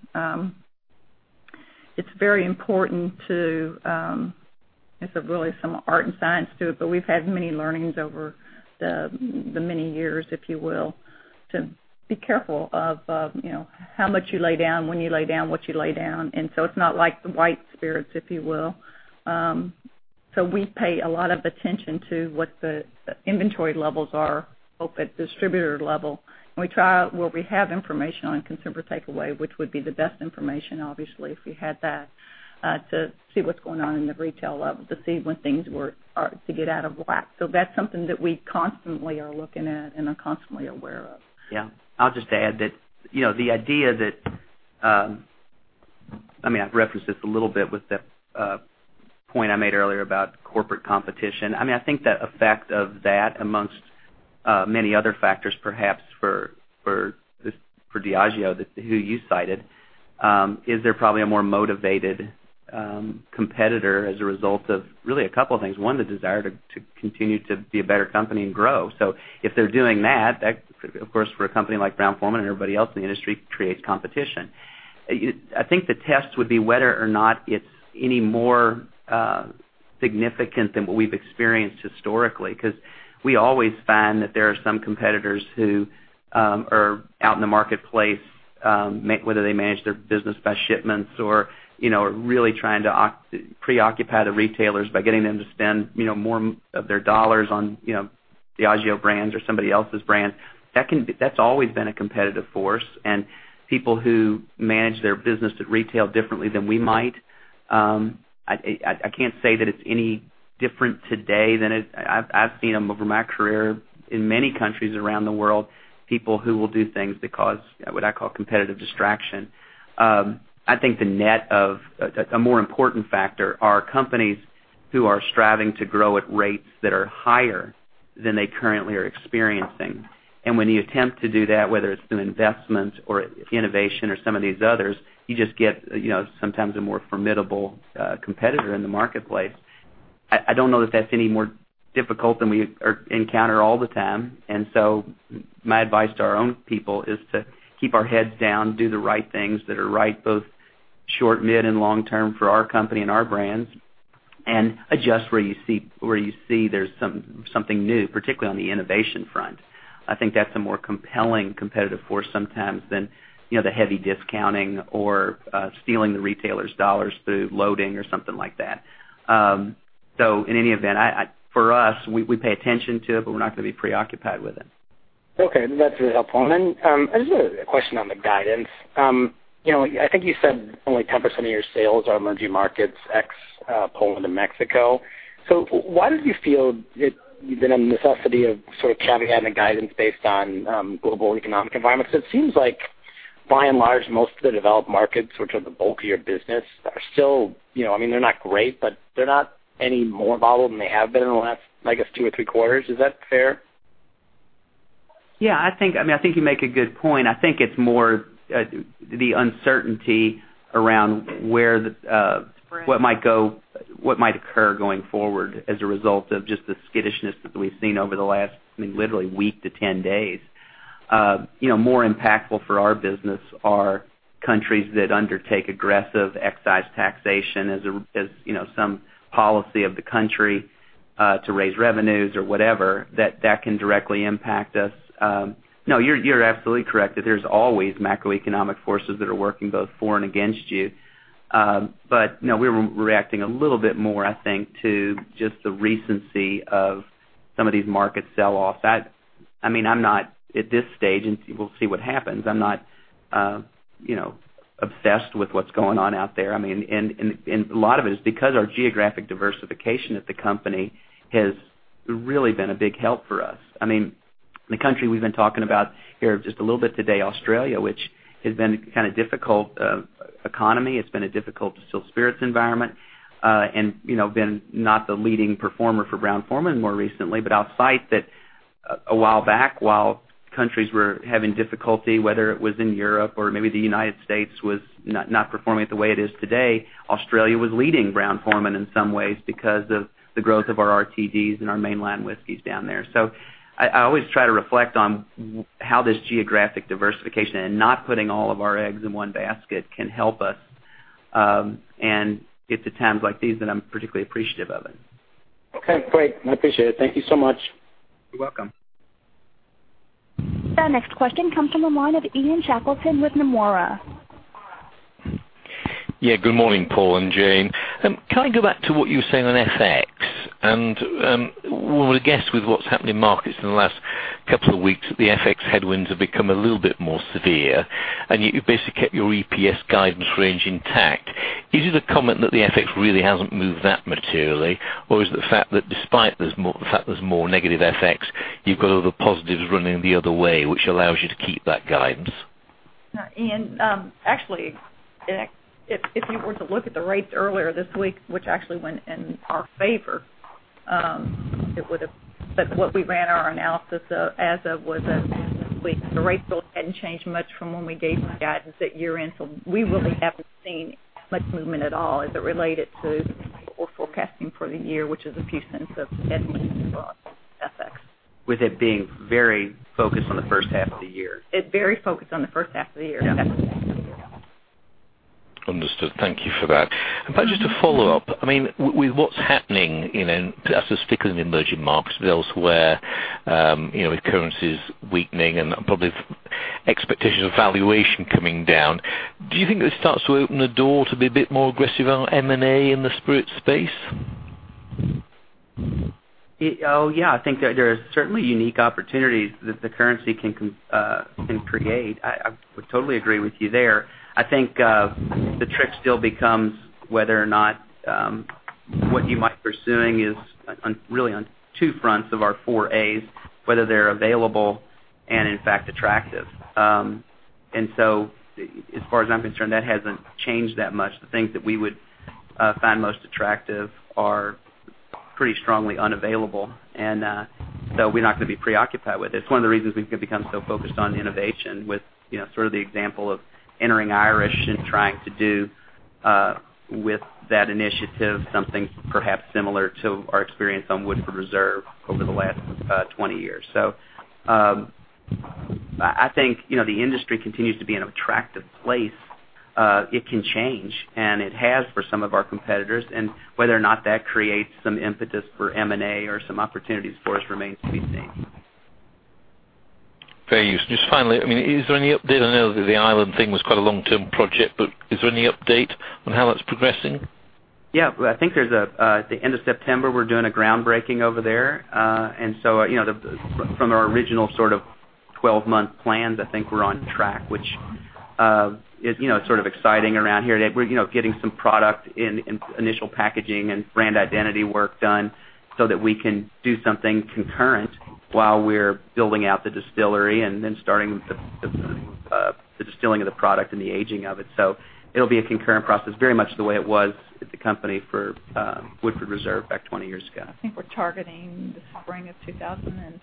it's very important to, there's really some art and science to it, but we've had many learnings over the many years, if you will, to be careful of how much you lay down, when you lay down, what you lay down. It's not like the white spirits, if you will. We pay a lot of attention to what the inventory levels are up at distributor level. We try, where we have information on consumer takeaway, which would be the best information, obviously, if we had that, to see what's going on in the retail level, to see when things were to get out of whack. That's something that we constantly are looking at and are constantly aware of. Yeah. I'll just add that the idea that I mean, I've referenced this a little bit with the point I made earlier about corporate competition. I think the effect of that, amongst many other factors, perhaps for Diageo, who you cited, is they're probably a more motivated competitor as a result of really a couple of things. One, the desire to continue to be a better company and grow. If they're doing that, of course, for a company like Brown-Forman and everybody else in the industry, creates competition. I think the test would be whether or not it's any more significant than what we've experienced historically, because we always find that there are some competitors who are out in the marketplace, whether they manage their business by shipments or are really trying to preoccupy the retailers by getting them to spend more of their dollars on Diageo brands or somebody else's brand. That's always been a competitive force, and people who manage their business at retail differently than we might, I can't say that it's any different today than I've seen them over my career in many countries around the world, people who will do things that cause what I call competitive distraction. I think the net of a more important factor are companies who are striving to grow at rates that are higher than they currently are experiencing. When you attempt to do that, whether it's through investments or innovation or some of these others, you just get sometimes a more formidable competitor in the marketplace. I don't know that that's any more difficult than we encounter all the time. My advice to our own people is to keep our heads down, do the right things that are right, both short, mid, and long-term for our company and our brands, and adjust where you see there's something new, particularly on the innovation front. I think that's a more compelling competitive force sometimes than the heavy discounting or stealing the retailer's dollars through loading or something like that. In any event, for us, we pay attention to it, but we're not going to be preoccupied with it. Okay. That's really helpful. This is a question on the guidance. I think you said only 10% of your sales are emerging markets, ex Poland and Mexico. Why did you feel there's been a necessity of sort of caveating the guidance based on global economic environments? It seems like by and large, most of the developed markets, which are the bulk of your business, are still, I mean, they're not great, but they're not any more volatile than they have been in the last, I guess, two or three quarters. Is that fair? Yeah, I think you make a good point. I think it's more the uncertainty around what might occur going forward as a result of just the skittishness that we've seen over the last, literally, week to 10 days. More impactful for our business are countries that undertake aggressive excise taxation as some policy of the country to raise revenues or whatever, that can directly impact us. No, you're absolutely correct that there's always macroeconomic forces that are working both for and against you. No, we're reacting a little bit more, I think, to just the recency of some of these market sell-offs. At this stage, and we'll see what happens, I'm not obsessed with what's going on out there. A lot of it is because our geographic diversification at the company has really been a big help for us. The country we've been talking about here just a little bit today, Australia, which has been kind of difficult economy. It's been a difficult distilled spirits environment, and been not the leading performer for Brown-Forman more recently. I'll cite that a while back, while countries were having difficulty, whether it was in Europe or maybe the United States was not performing the way it is today, Australia was leading Brown-Forman in some ways because of the growth of our RTDs and our mainland whiskeys down there. I always try to reflect on how this geographic diversification and not putting all of our eggs in one basket can help us. It's at times like these that I'm particularly appreciative of it. Okay, great. I appreciate it. Thank you so much. You're welcome. Our next question comes from the line of Ian Shackleton with Nomura. Yeah. Good morning, Paul and Jane. Can I go back to what you were saying on FX? Well, I guess with what's happened in markets in the last couple of weeks, the FX headwinds have become a little bit more severe, and you basically kept your EPS guidance range intact. Is it a comment that the FX really hasn't moved that materially, or is it the fact that despite the fact there's more negative FX, you've got all the positives running the other way, which allows you to keep that guidance? Ian, actually, if you were to look at the rates earlier this week, which actually went in our favor, what we ran our analysis as of was that week. The rates really hadn't changed much from when we gave the guidance at year-end, we really haven't seen much movement at all as it related to or forecasting for the year, which is a few $0.01 of headwinds for us, FX. With it being very focused on the first half of the year. It's very focused on the first half of the year. Yeah. Understood. Thank you for that. Just to follow up, with what's happening in, I guess, particularly in emerging markets but elsewhere, with currencies weakening and probably expectations of valuation coming down, do you think this starts to open the door to be a bit more aggressive on M&A in the spirits space? Oh, yeah. I think there are certainly unique opportunities that the currency can create. I would totally agree with you there. The trick still becomes whether or not what you might be pursuing is on really on two fronts of our four A's, whether they're available and in fact attractive. As far as I'm concerned, that hasn't changed that much. The things that we would find most attractive are pretty strongly unavailable, we're not going to be preoccupied with it. It's one of the reasons we've become so focused on innovation with sort of the example of entering Irish and trying to do with that initiative, something perhaps similar to our experience on Woodford Reserve over the last 20 years. The industry continues to be in an attractive place. It can change, and it has for some of our competitors, whether or not that creates some impetus for M&A or some opportunities for us remains to be seen. Very useful. Just finally, is there any update? I know that the Ireland thing was quite a long-term project, is there any update on how that's progressing? Yeah. At the end of September, we're doing a groundbreaking over there. From our original sort of 12-month plans, we're on track, which is sort of exciting around here. We're getting some product in initial packaging and brand identity work done so that we can do something concurrent while we're building out the distillery and then starting the distilling of the product and the aging of it. It'll be a concurrent process, very much the way it was at the company for Woodford Reserve back 20 years ago. I think we're targeting the spring of 2017.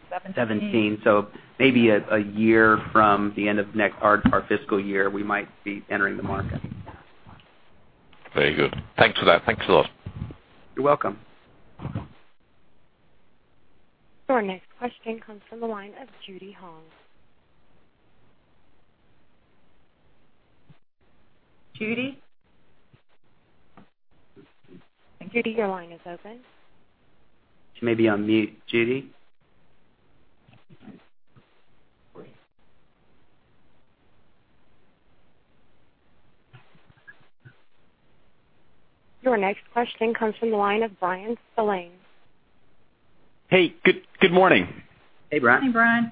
2017. Maybe a year from the end of our fiscal year, we might be entering the market. Yeah. Very good. Thanks for that. Thank you a lot. You're welcome. Our next question comes from the line of Judy Hong. Judy? Judy, your line is open. She may be on mute. Judy? Your next question comes from the line of Bryan Spillane. Hey, good morning. Hey, Bryan. Hey, Bryan.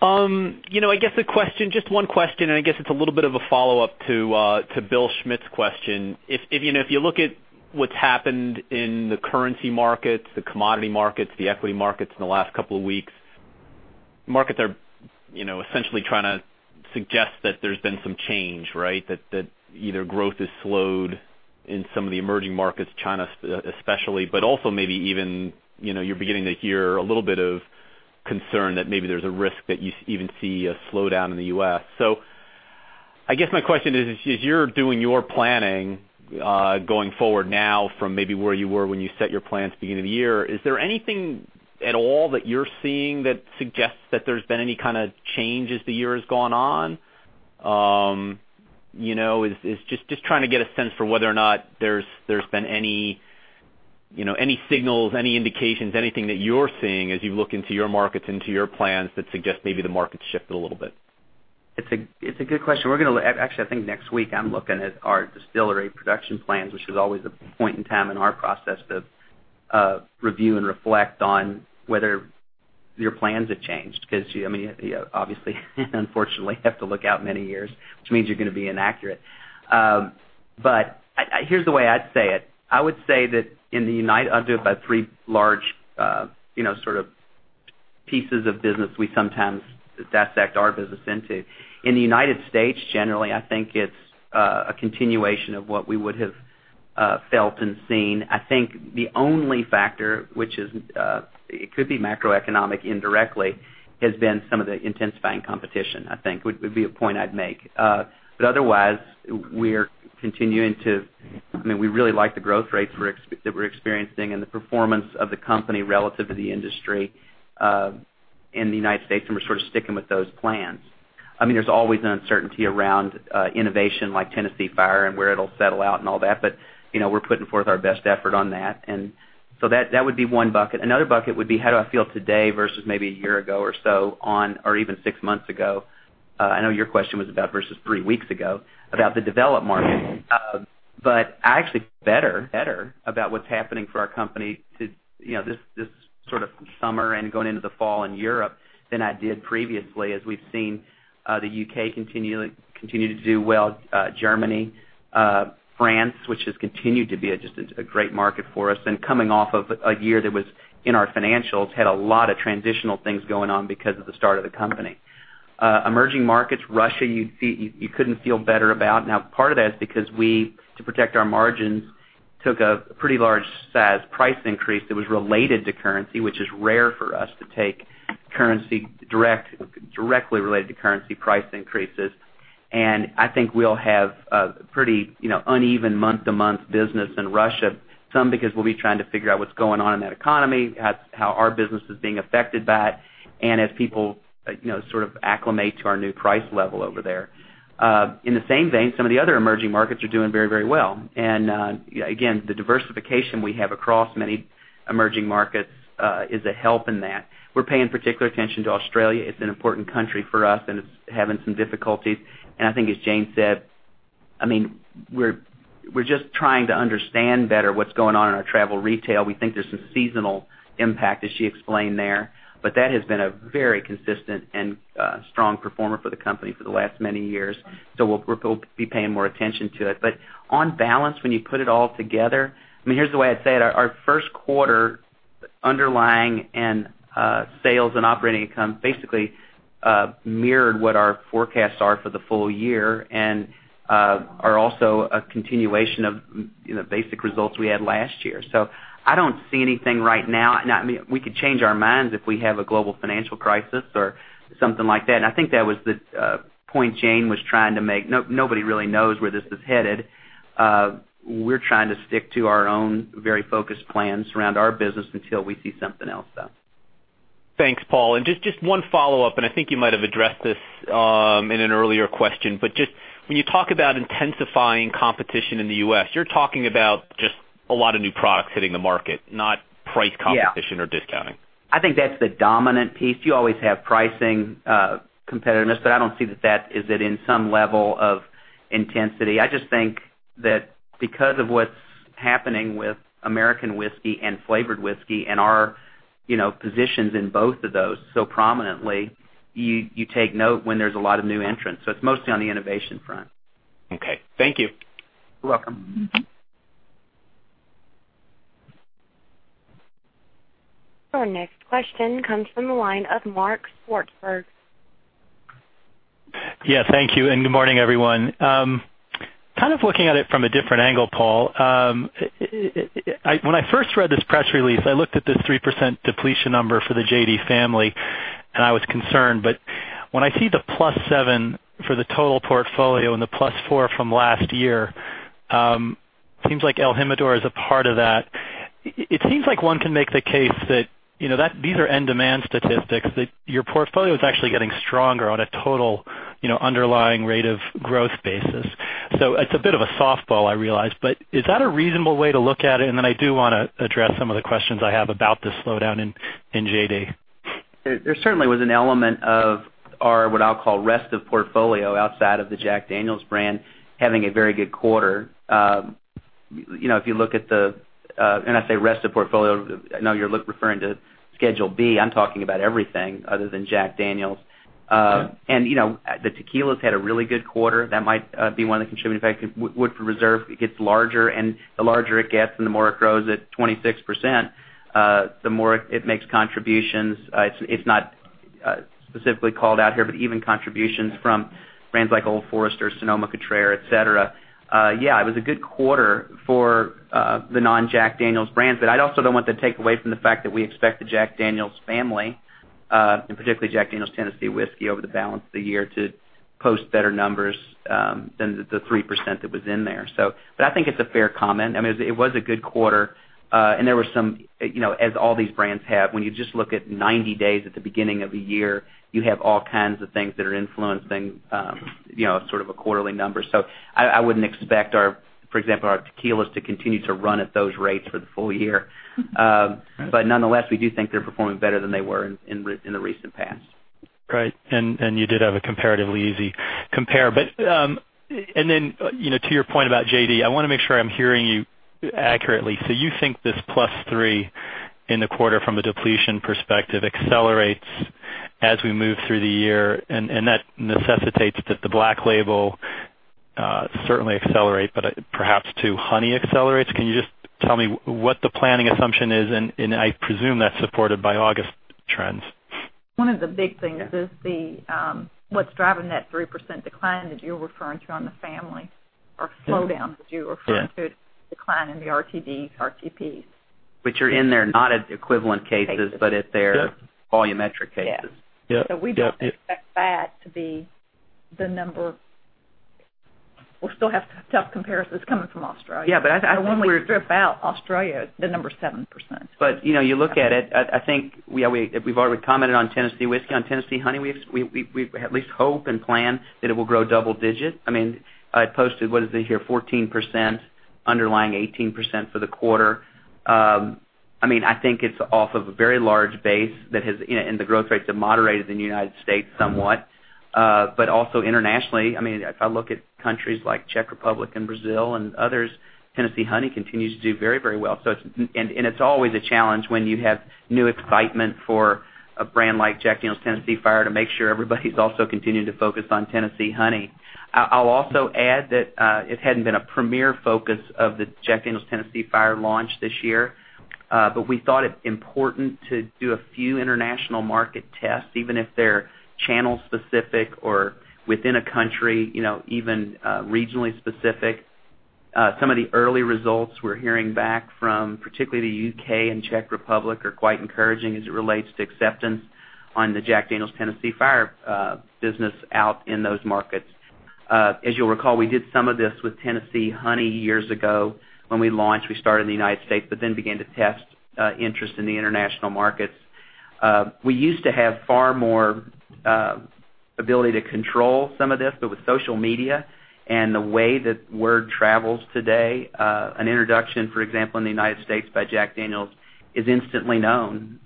I guess the question, just one question. I guess it's a little bit of a follow-up to Bill Schmitz's question. If you look at what's happened in the currency markets, the commodity markets, the equity markets in the last couple of weeks, markets are essentially trying to suggest that there's been some change, right? That either growth has slowed in some of the emerging markets, China especially, also maybe even, you're beginning to hear a little bit of concern that maybe there's a risk that you even see a slowdown in the U.S. I guess my question is, as you're doing your planning, going forward now from maybe where you were when you set your plans at the beginning of the year, is there anything at all that you're seeing that suggests that there's been any kind of change as the year has gone on? Just trying to get a sense for whether or not there's been any signals, any indications, anything that you're seeing as you look into your markets, into your plans that suggest maybe the market's shifted a little bit. It's a good question. Actually, I think next week, I'm looking at our distillery production plans, which is always a point in time in our process to review and reflect on whether your plans have changed. Obviously unfortunately, you have to look out many years, which means you're going to be inaccurate. Here's the way I'd say it. I'll do it by three large pieces of business we sometimes dissect our business into. In the U.S., generally, I think it's a continuation of what we would have felt and seen. I think the only factor, which it could be macroeconomic indirectly, has been some of the intensifying competition, I think, would be a point I'd make. Otherwise, we really like the growth rates that we're experiencing and the performance of the company relative to the industry, in the U.S., and we're sort of sticking with those plans. There's always an uncertainty around innovation like Jack Daniel's Tennessee Fire and where it'll settle out and all that, but we're putting forth our best effort on that. That would be one bucket. Another bucket would be how do I feel today versus maybe a year ago or so, or even six months ago, I know your question was about versus three weeks ago, about the developed market. I actually feel better, about what's happening for our company this summer and going into the fall in Europe than I did previously, as we've seen the U.K. continue to do well, Germany, France, which has continued to be just a great market for us. Coming off of a year that was, in our financials, had a lot of transitional things going on because of the start of the company. Emerging markets, Russia, you couldn't feel better about. Now, part of that is because we, to protect our margins, took a pretty large size price increase that was related to currency, which is rare for us to take directly related to currency price increases. I think we'll have a pretty uneven month-to-month business in Russia, some because we'll be trying to figure out what's going on in that economy, how our business is being affected by it, and as people acclimate to our new price level over there. In the same vein, some of the other emerging markets are doing very, very well. Again, the diversification we have across many emerging markets is a help in that. We're paying particular attention to Australia. It's an important country for us, and it's having some difficulties. I think as Jane said, we're just trying to understand better what's going on in our travel retail. We think there's some seasonal impact, as she explained there, but that has been a very consistent and strong performer for the company for the last many years, so we'll be paying more attention to it. On balance, when you put it all together, here's the way I'd say it, our first quarter underlying in sales and operating income basically mirrored what our forecasts are for the full year and are also a continuation of basic results we had last year. I don't see anything right now. We could change our minds if we have a global financial crisis or something like that. I think that was the point Jane was trying to make. Nobody really knows where this is headed. We're trying to stick to our own very focused plans around our business until we see something else, though. Thanks, Paul. Just one follow-up, I think you might have addressed this in an earlier question. Just when you talk about intensifying competition in the U.S., you're talking about just a lot of new products hitting the market, not price competition- Yeah Discounting. I think that's the dominant piece. You always have pricing competitiveness, but I don't see that is at some level of intensity. I just think that because of what's happening with American whiskey and flavored whiskey and our positions in both of those so prominently, you take note when there's a lot of new entrants. It's mostly on the innovation front. Okay. Thank you. You're welcome. Our next question comes from the line of Mark Swartzberg. Yeah, thank you, and good morning, everyone. Kind of looking at it from a different angle, Paul. When I first read this press release, I looked at this 3% depletion number for the JD family, and I was concerned. When I see the plus seven for the total portfolio and the plus four from last year, it seems like el Jimador is a part of that. It seems like one can make the case that these are end demand statistics, that your portfolio is actually getting stronger on a total underlying rate of growth basis. It's a bit of a softball, I realize, but is that a reasonable way to look at it? I do want to address some of the questions I have about the slowdown in JD. There certainly was an element of our, what I'll call rest of portfolio outside of the Jack Daniel's brand, having a very good quarter. When I say rest of portfolio, I know you're referring to Schedule B. I'm talking about everything other than Jack Daniel's. Okay. The tequilas had a really good quarter. That might be one of the contributing factors. Woodford Reserve, it gets larger, and the larger it gets and the more it grows at 26%, the more it makes contributions. It's not specifically called out here, but even contributions from brands like Old Forester, Sonoma-Cutrer, et cetera. Yeah, it was a good quarter for the non-Jack Daniel's brands. I also don't want to take away from the fact that we expect the Jack Daniel's family, and particularly Jack Daniel's Tennessee Whiskey, over the balance of the year, to post better numbers than the 3% that was in there. I think it's a fair comment. It was a good quarter, there were some, as all these brands have, when you just look at 90 days at the beginning of a year, you have all kinds of things that are influencing sort of a quarterly number. I wouldn't expect, for example, our tequilas to continue to run at those rates for the full year. Nonetheless, we do think they're performing better than they were in the recent past. Right. You did have a comparatively easy compare. Then, to your point about JD, I want to make sure I'm hearing you accurately. You think this plus 3 in the quarter from a depletion perspective accelerates as we move through the year, and that necessitates that the Black Label certainly accelerate, but perhaps too, Honey accelerates? Can you just tell me what the planning assumption is? I presume that's supported by August trends. One of the big things is what's driving that 3% decline that you're referring to on the family, or slowdown that you're referring to, decline in the RTDs, RTPs. Are in there, not at equivalent cases, but at their volumetric cases. Yeah. Yep. We don't expect that to be the number. We'll still have tough comparisons coming from Australia. Yeah, I think. When we strip out Australia, the number's 7%. You look at it, I think we've already commented on Tennessee Whiskey. On Tennessee Honey, we at least hope and plan that it will grow double digits. I posted, what is it here, 14%, underlying 18% for the quarter. I think it's off of a very large base, and the growth rates have moderated in the U.S. somewhat. Also internationally, if I look at countries like Czech Republic and Brazil and others, Tennessee Honey continues to do very well. It's always a challenge when you have new excitement for a brand like Jack Daniel's Tennessee Fire to make sure everybody's also continuing to focus on Tennessee Honey. I'll also add that it hadn't been a premier focus of the Jack Daniel's Tennessee Fire launch this year. We thought it important to do a few international market tests, even if they're channel specific or within a country, even regionally specific. Some of the early results we're hearing back from, particularly the U.K. and Czech Republic, are quite encouraging as it relates to acceptance on the Jack Daniel's Tennessee Fire business out in those markets. As you'll recall, we did some of this with Tennessee Honey years ago. When we launched, we started in the U.S., but then began to test interest in the international markets. We used to have far more ability to control some of this, but with social media and the way that word travels today, an introduction, for example, in the U.S. by Jack Daniel's is instantly known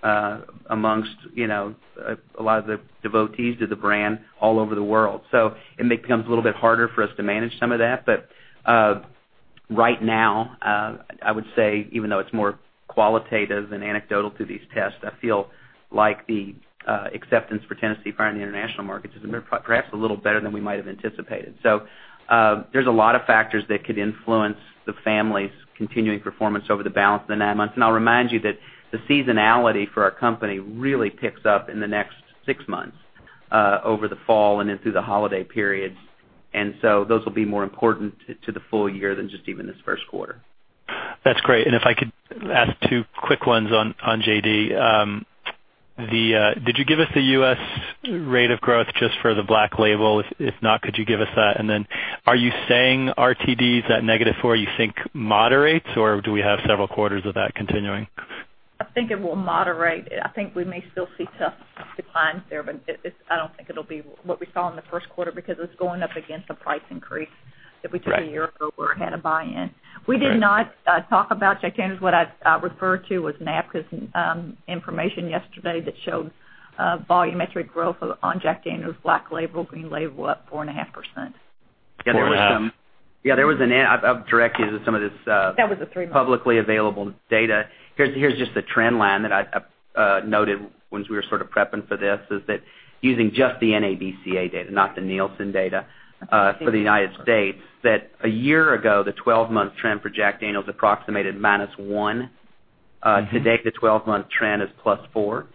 amongst a lot of the devotees to the brand all over the world. It becomes a little bit harder for us to manage some of that. Right now, I would say, even though it's more qualitative than anecdotal to these tests, I feel like the acceptance for Tennessee Fire in the international markets is perhaps a little better than we might have anticipated. There's a lot of factors that could influence the family's continuing performance over the balance of the 9 months. I'll remind you that the seasonality for our company really picks up in the next 6 months, over the fall and then through the holiday periods. Those will be more important to the full year than just even this first quarter. That's great. If I could ask two quick ones on JD. Did you give us the U.S. rate of growth just for the Black Label? If not, could you give us that? Are you saying RTDs at negative four, you think moderates, or do we have several quarters of that continuing? I think it will moderate. I think we may still see tough declines there. I don't think it'll be what we saw in the first quarter because it's going up against a price increase that we took a year ago. Right Where it had a buy-in. Okay. We did not talk about Jack Daniel's. What I referred to was NABCA's information yesterday that showed volumetric growth on Jack Daniel's Black Label, Green Label, up 4.5%. 4.5. Yeah, I'll direct you to some of this. That was the three months. publicly available data. Here's just a trend line that I noted once we were sort of prepping for this, is that using just the NABCA data, not the Nielsen data, for the U.S., that one year ago, the 12-month trend for Jack Daniel's approximated -1. To date, the 12-month trend is +4. Wow.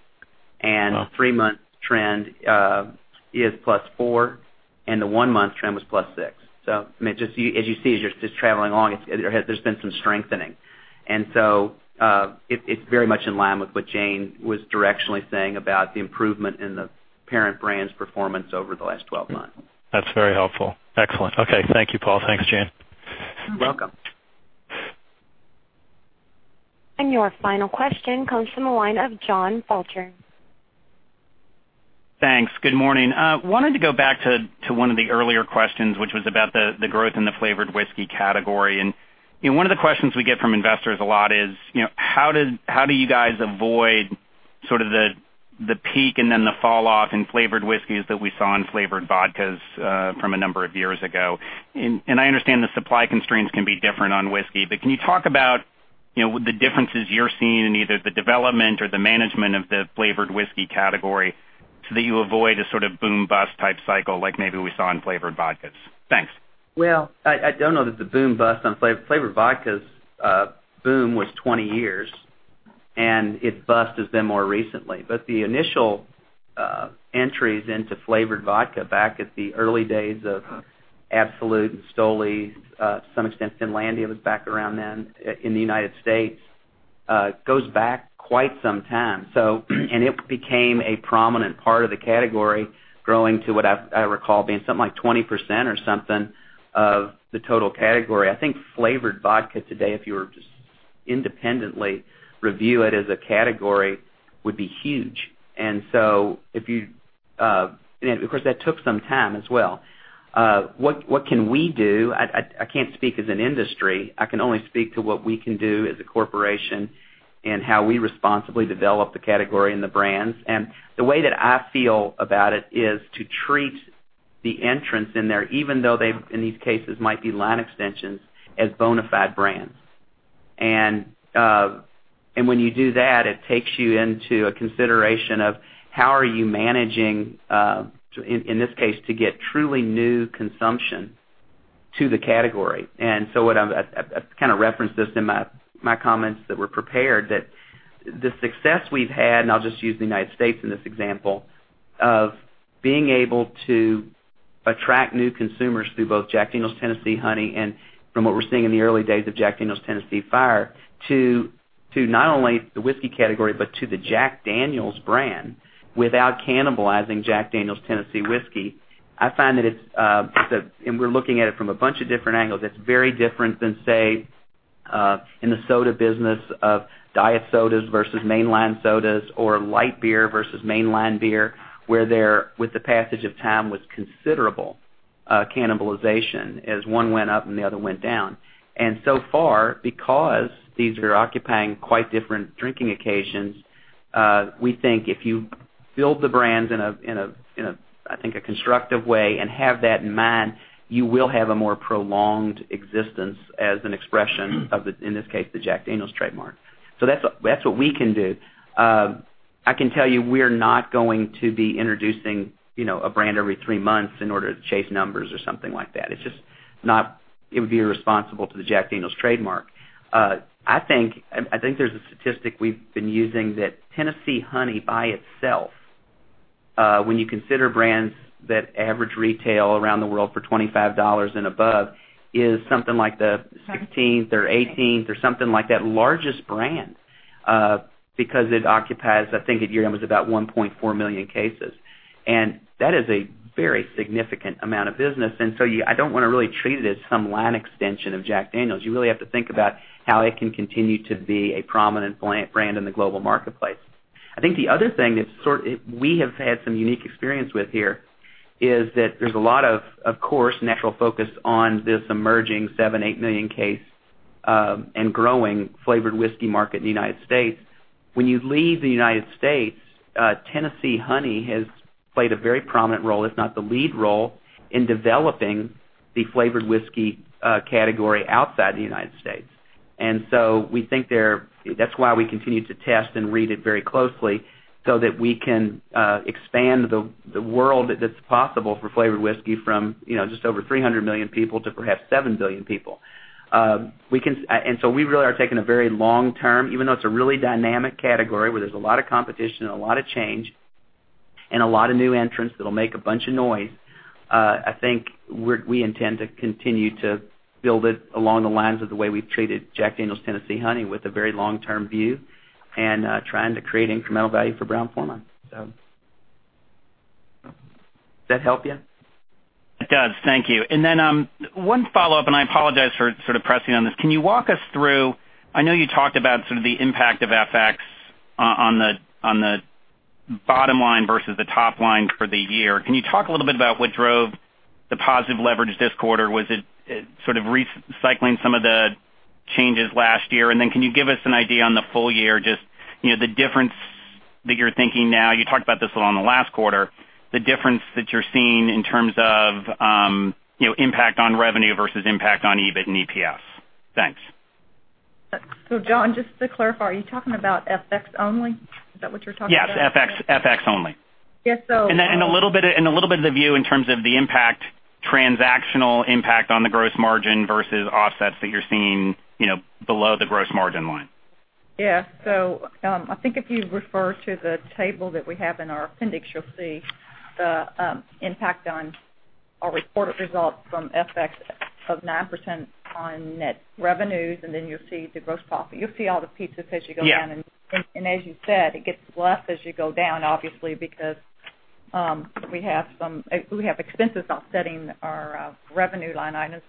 The three-month trend is +4, and the one-month trend was +6. As you see, as you're just traveling along, there's been some strengthening. It's very much in line with what Jane was directionally saying about the improvement in the parent brand's performance over the last 12 months. That's very helpful. Excellent. Okay. Thank you, Paul. Thanks, Jane. You're welcome. Your final question comes from the line of Jon Fulcher. Thanks. Good morning. I wanted to go back to one of the earlier questions, which was about the growth in the flavored whiskey category. One of the questions we get from investors a lot is, how do you guys avoid sort of the peak and then the fall off in flavored whiskeys that we saw in flavored vodkas from a number of years ago? I understand the supply constraints can be different on whiskey, but can you talk about the differences you're seeing in either the development or the management of the flavored whiskey category so that you avoid a sort of boom bust type cycle like maybe we saw in flavored vodkas? Thanks. I don't know that the boom bust on flavored vodkas boom was 20 years, and it busted then more recently. The initial entries into flavored vodka back at the early days of Absolut and Stoli, to some extent, Finlandia was back around then in the U.S., goes back quite some time. It became a prominent part of the category, growing to what I recall being something like 20% or something of the total category. I think flavored vodka today, if you were to just independently review it as a category, would be huge. Of course, that took some time as well. What can we do? I can't speak as an industry. I can only speak to what we can do as a corporation, and how we responsibly develop the category and the brands. The way that I feel about it is to treat the entrants in there, even though they, in these cases, might be line extensions as bona fide brands. When you do that, it takes you into a consideration of how are you managing, in this case, to get truly new consumption to the category. I kind of referenced this in my comments that were prepared, that the success we've had, and I'll just use the U.S. in this example, of being able to attract new consumers through both Jack Daniel's Tennessee Honey and from what we're seeing in the early days of Jack Daniel's Tennessee Fire, to not only the whiskey category, but to the Jack Daniel's brand without cannibalizing Jack Daniel's Tennessee Whiskey. I find that, and we're looking at it from a bunch of different angles. It's very different than, say, in the soda business of diet sodas versus mainline sodas, or light beer versus mainline beer, where there, with the passage of time, was considerable cannibalization as one went up and the other went down. So far, because these are occupying quite different drinking occasions, we think if you build the brands in, I think, a constructive way and have that in mind, you will have a more prolonged existence as an expression of, in this case, the Jack Daniel's trademark. That's what we can do. I can tell you, we're not going to be introducing a brand every 3 months in order to chase numbers or something like that. It would be irresponsible to the Jack Daniel's trademark. I think there's a statistic we've been using that Tennessee Honey by itself, when you consider brands that average retail around the world for $25 and above, is something like the 16th or 18th or something like that, largest brand, because it occupies, I think, at year-end was about 1.4 million cases, and that is a very significant amount of business. I don't want to really treat it as some line extension of Jack Daniel's. You really have to think about how it can continue to be a prominent brand in the global marketplace. I think the other thing that we have had some unique experience with here is that there's a lot of course, natural focus on this emerging 7, 8 million case, and growing flavored whiskey market in the U.S. When you leave the U.S., Tennessee Honey has played a very prominent role, if not the lead role, in developing the flavored whiskey category outside the U.S. We think that's why we continue to test and read it very closely, so that we can expand the world that's possible for flavored whiskey from just over 300 million people to perhaps 7 billion people. We really are taking a very long-term, even though it's a really dynamic category where there's a lot of competition and a lot of change and a lot of new entrants that'll make a bunch of noise. I think we intend to continue to build it along the lines of the way we've treated Jack Daniel's Tennessee Honey with a very long-term view and trying to create incremental value for Brown-Forman. Did that help you? It does. Thank you. One follow-up, and I apologize for sort of pressing on this. Can you walk us through, I know you talked about sort of the impact of FX on the bottom line versus the top line for the year. Can you talk a little bit about what drove the positive leverage this quarter? Was it sort of recycling some of the changes last year? Can you give us an idea on the full year, just the difference that you're thinking now, you talked about this on the last quarter, the difference that you're seeing in terms of impact on revenue versus impact on EBIT and EPS. Thanks. Jon, just to clarify, are you talking about FX only? Is that what you're talking about? Yes, FX only. Yes. A little bit of the view in terms of the impact, transactional impact on the gross margin versus offsets that you're seeing below the gross margin line. Yeah. I think if you refer to the table that we have in our appendix, you'll see the impact on our reported results from FX of 9% on net revenues, and then you'll see the gross profit. You'll see all the pieces as you go down. Yeah. As you said, it gets less as you go down, obviously, because we have expenses offsetting our revenue line items.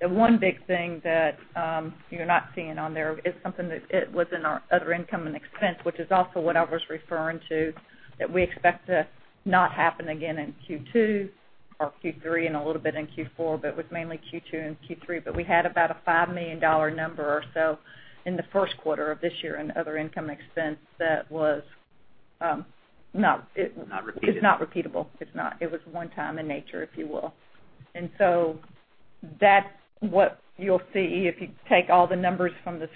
The one big thing that you're not seeing on there is something that was in our other income and expense, which is also what I was referring to, that we expect to not happen again in Q2 or Q3 and a little bit in Q4, but was mainly Q2 and Q3. We had about a $5 million number or so in the first quarter of this year in other income expense that was not. Not repeatable. It's not repeatable. It's not. It was one time in nature, if you will. That's what you'll see if you take all the numbers from the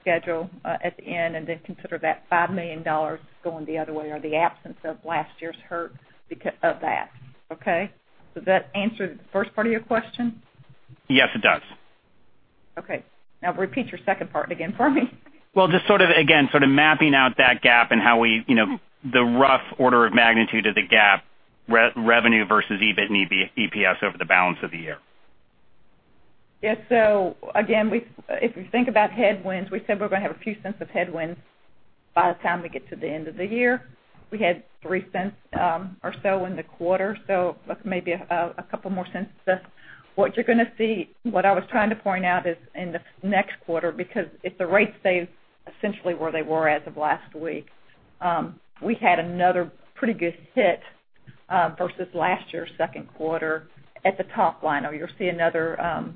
Schedule at the end, and then consider that $5 million going the other way, or the absence of last year's hurt because of that. Okay? Does that answer the first part of your question? Yes, it does. Okay. Now repeat your second part again for me. Just again, sort of mapping out that gap and the rough order of magnitude of the gap, revenue versus EBIT and EPS over the balance of the year. Yes. Again, if we think about headwinds, we said we're going to have a few cents of headwinds by the time we get to the end of the year. We had $0.03 or so in the quarter, that's maybe a couple more cents. What I was trying to point out is in the next quarter, because if the rates stay essentially where they were as of last week, we had another pretty good hit versus last year's second quarter at the top line, or you'll see another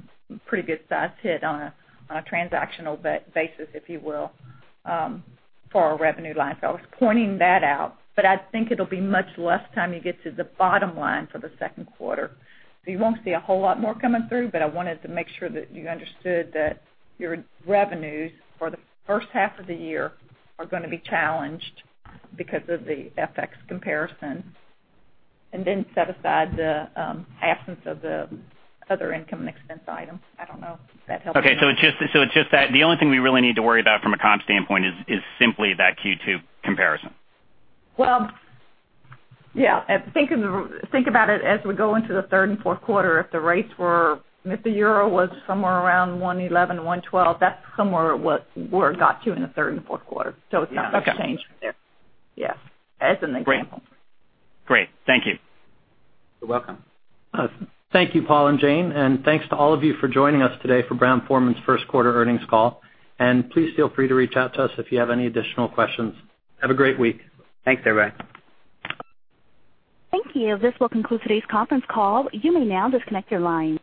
pretty good-sized hit on a transactional basis, if you will, for our revenue line. I was pointing that out, but I think it'll be much less time you get to the bottom line for the second quarter. You won't see a whole lot more coming through, but I wanted to make sure that you understood that your revenues for the first half of the year are going to be challenged because of the FX comparison. Set aside the absence of the other income and expense items. I don't know if that helps. Okay. It's just that the only thing we really need to worry about from a comp standpoint is simply that Q2 comparison. Well, yeah. Think about it as we go into the third and fourth quarter, if the Euro was somewhere around 111,112, that's somewhere where it got to in the third and fourth quarter. It's not going to change there. Okay. Yes. As an example. Great. Thank you. You're welcome. Thank you, Paul and Jane, and thanks to all of you for joining us today for Brown-Forman's first quarter earnings call. Please feel free to reach out to us if you have any additional questions. Have a great week. Thanks, everybody. Thank you. This will conclude today's conference call. You may now disconnect your line.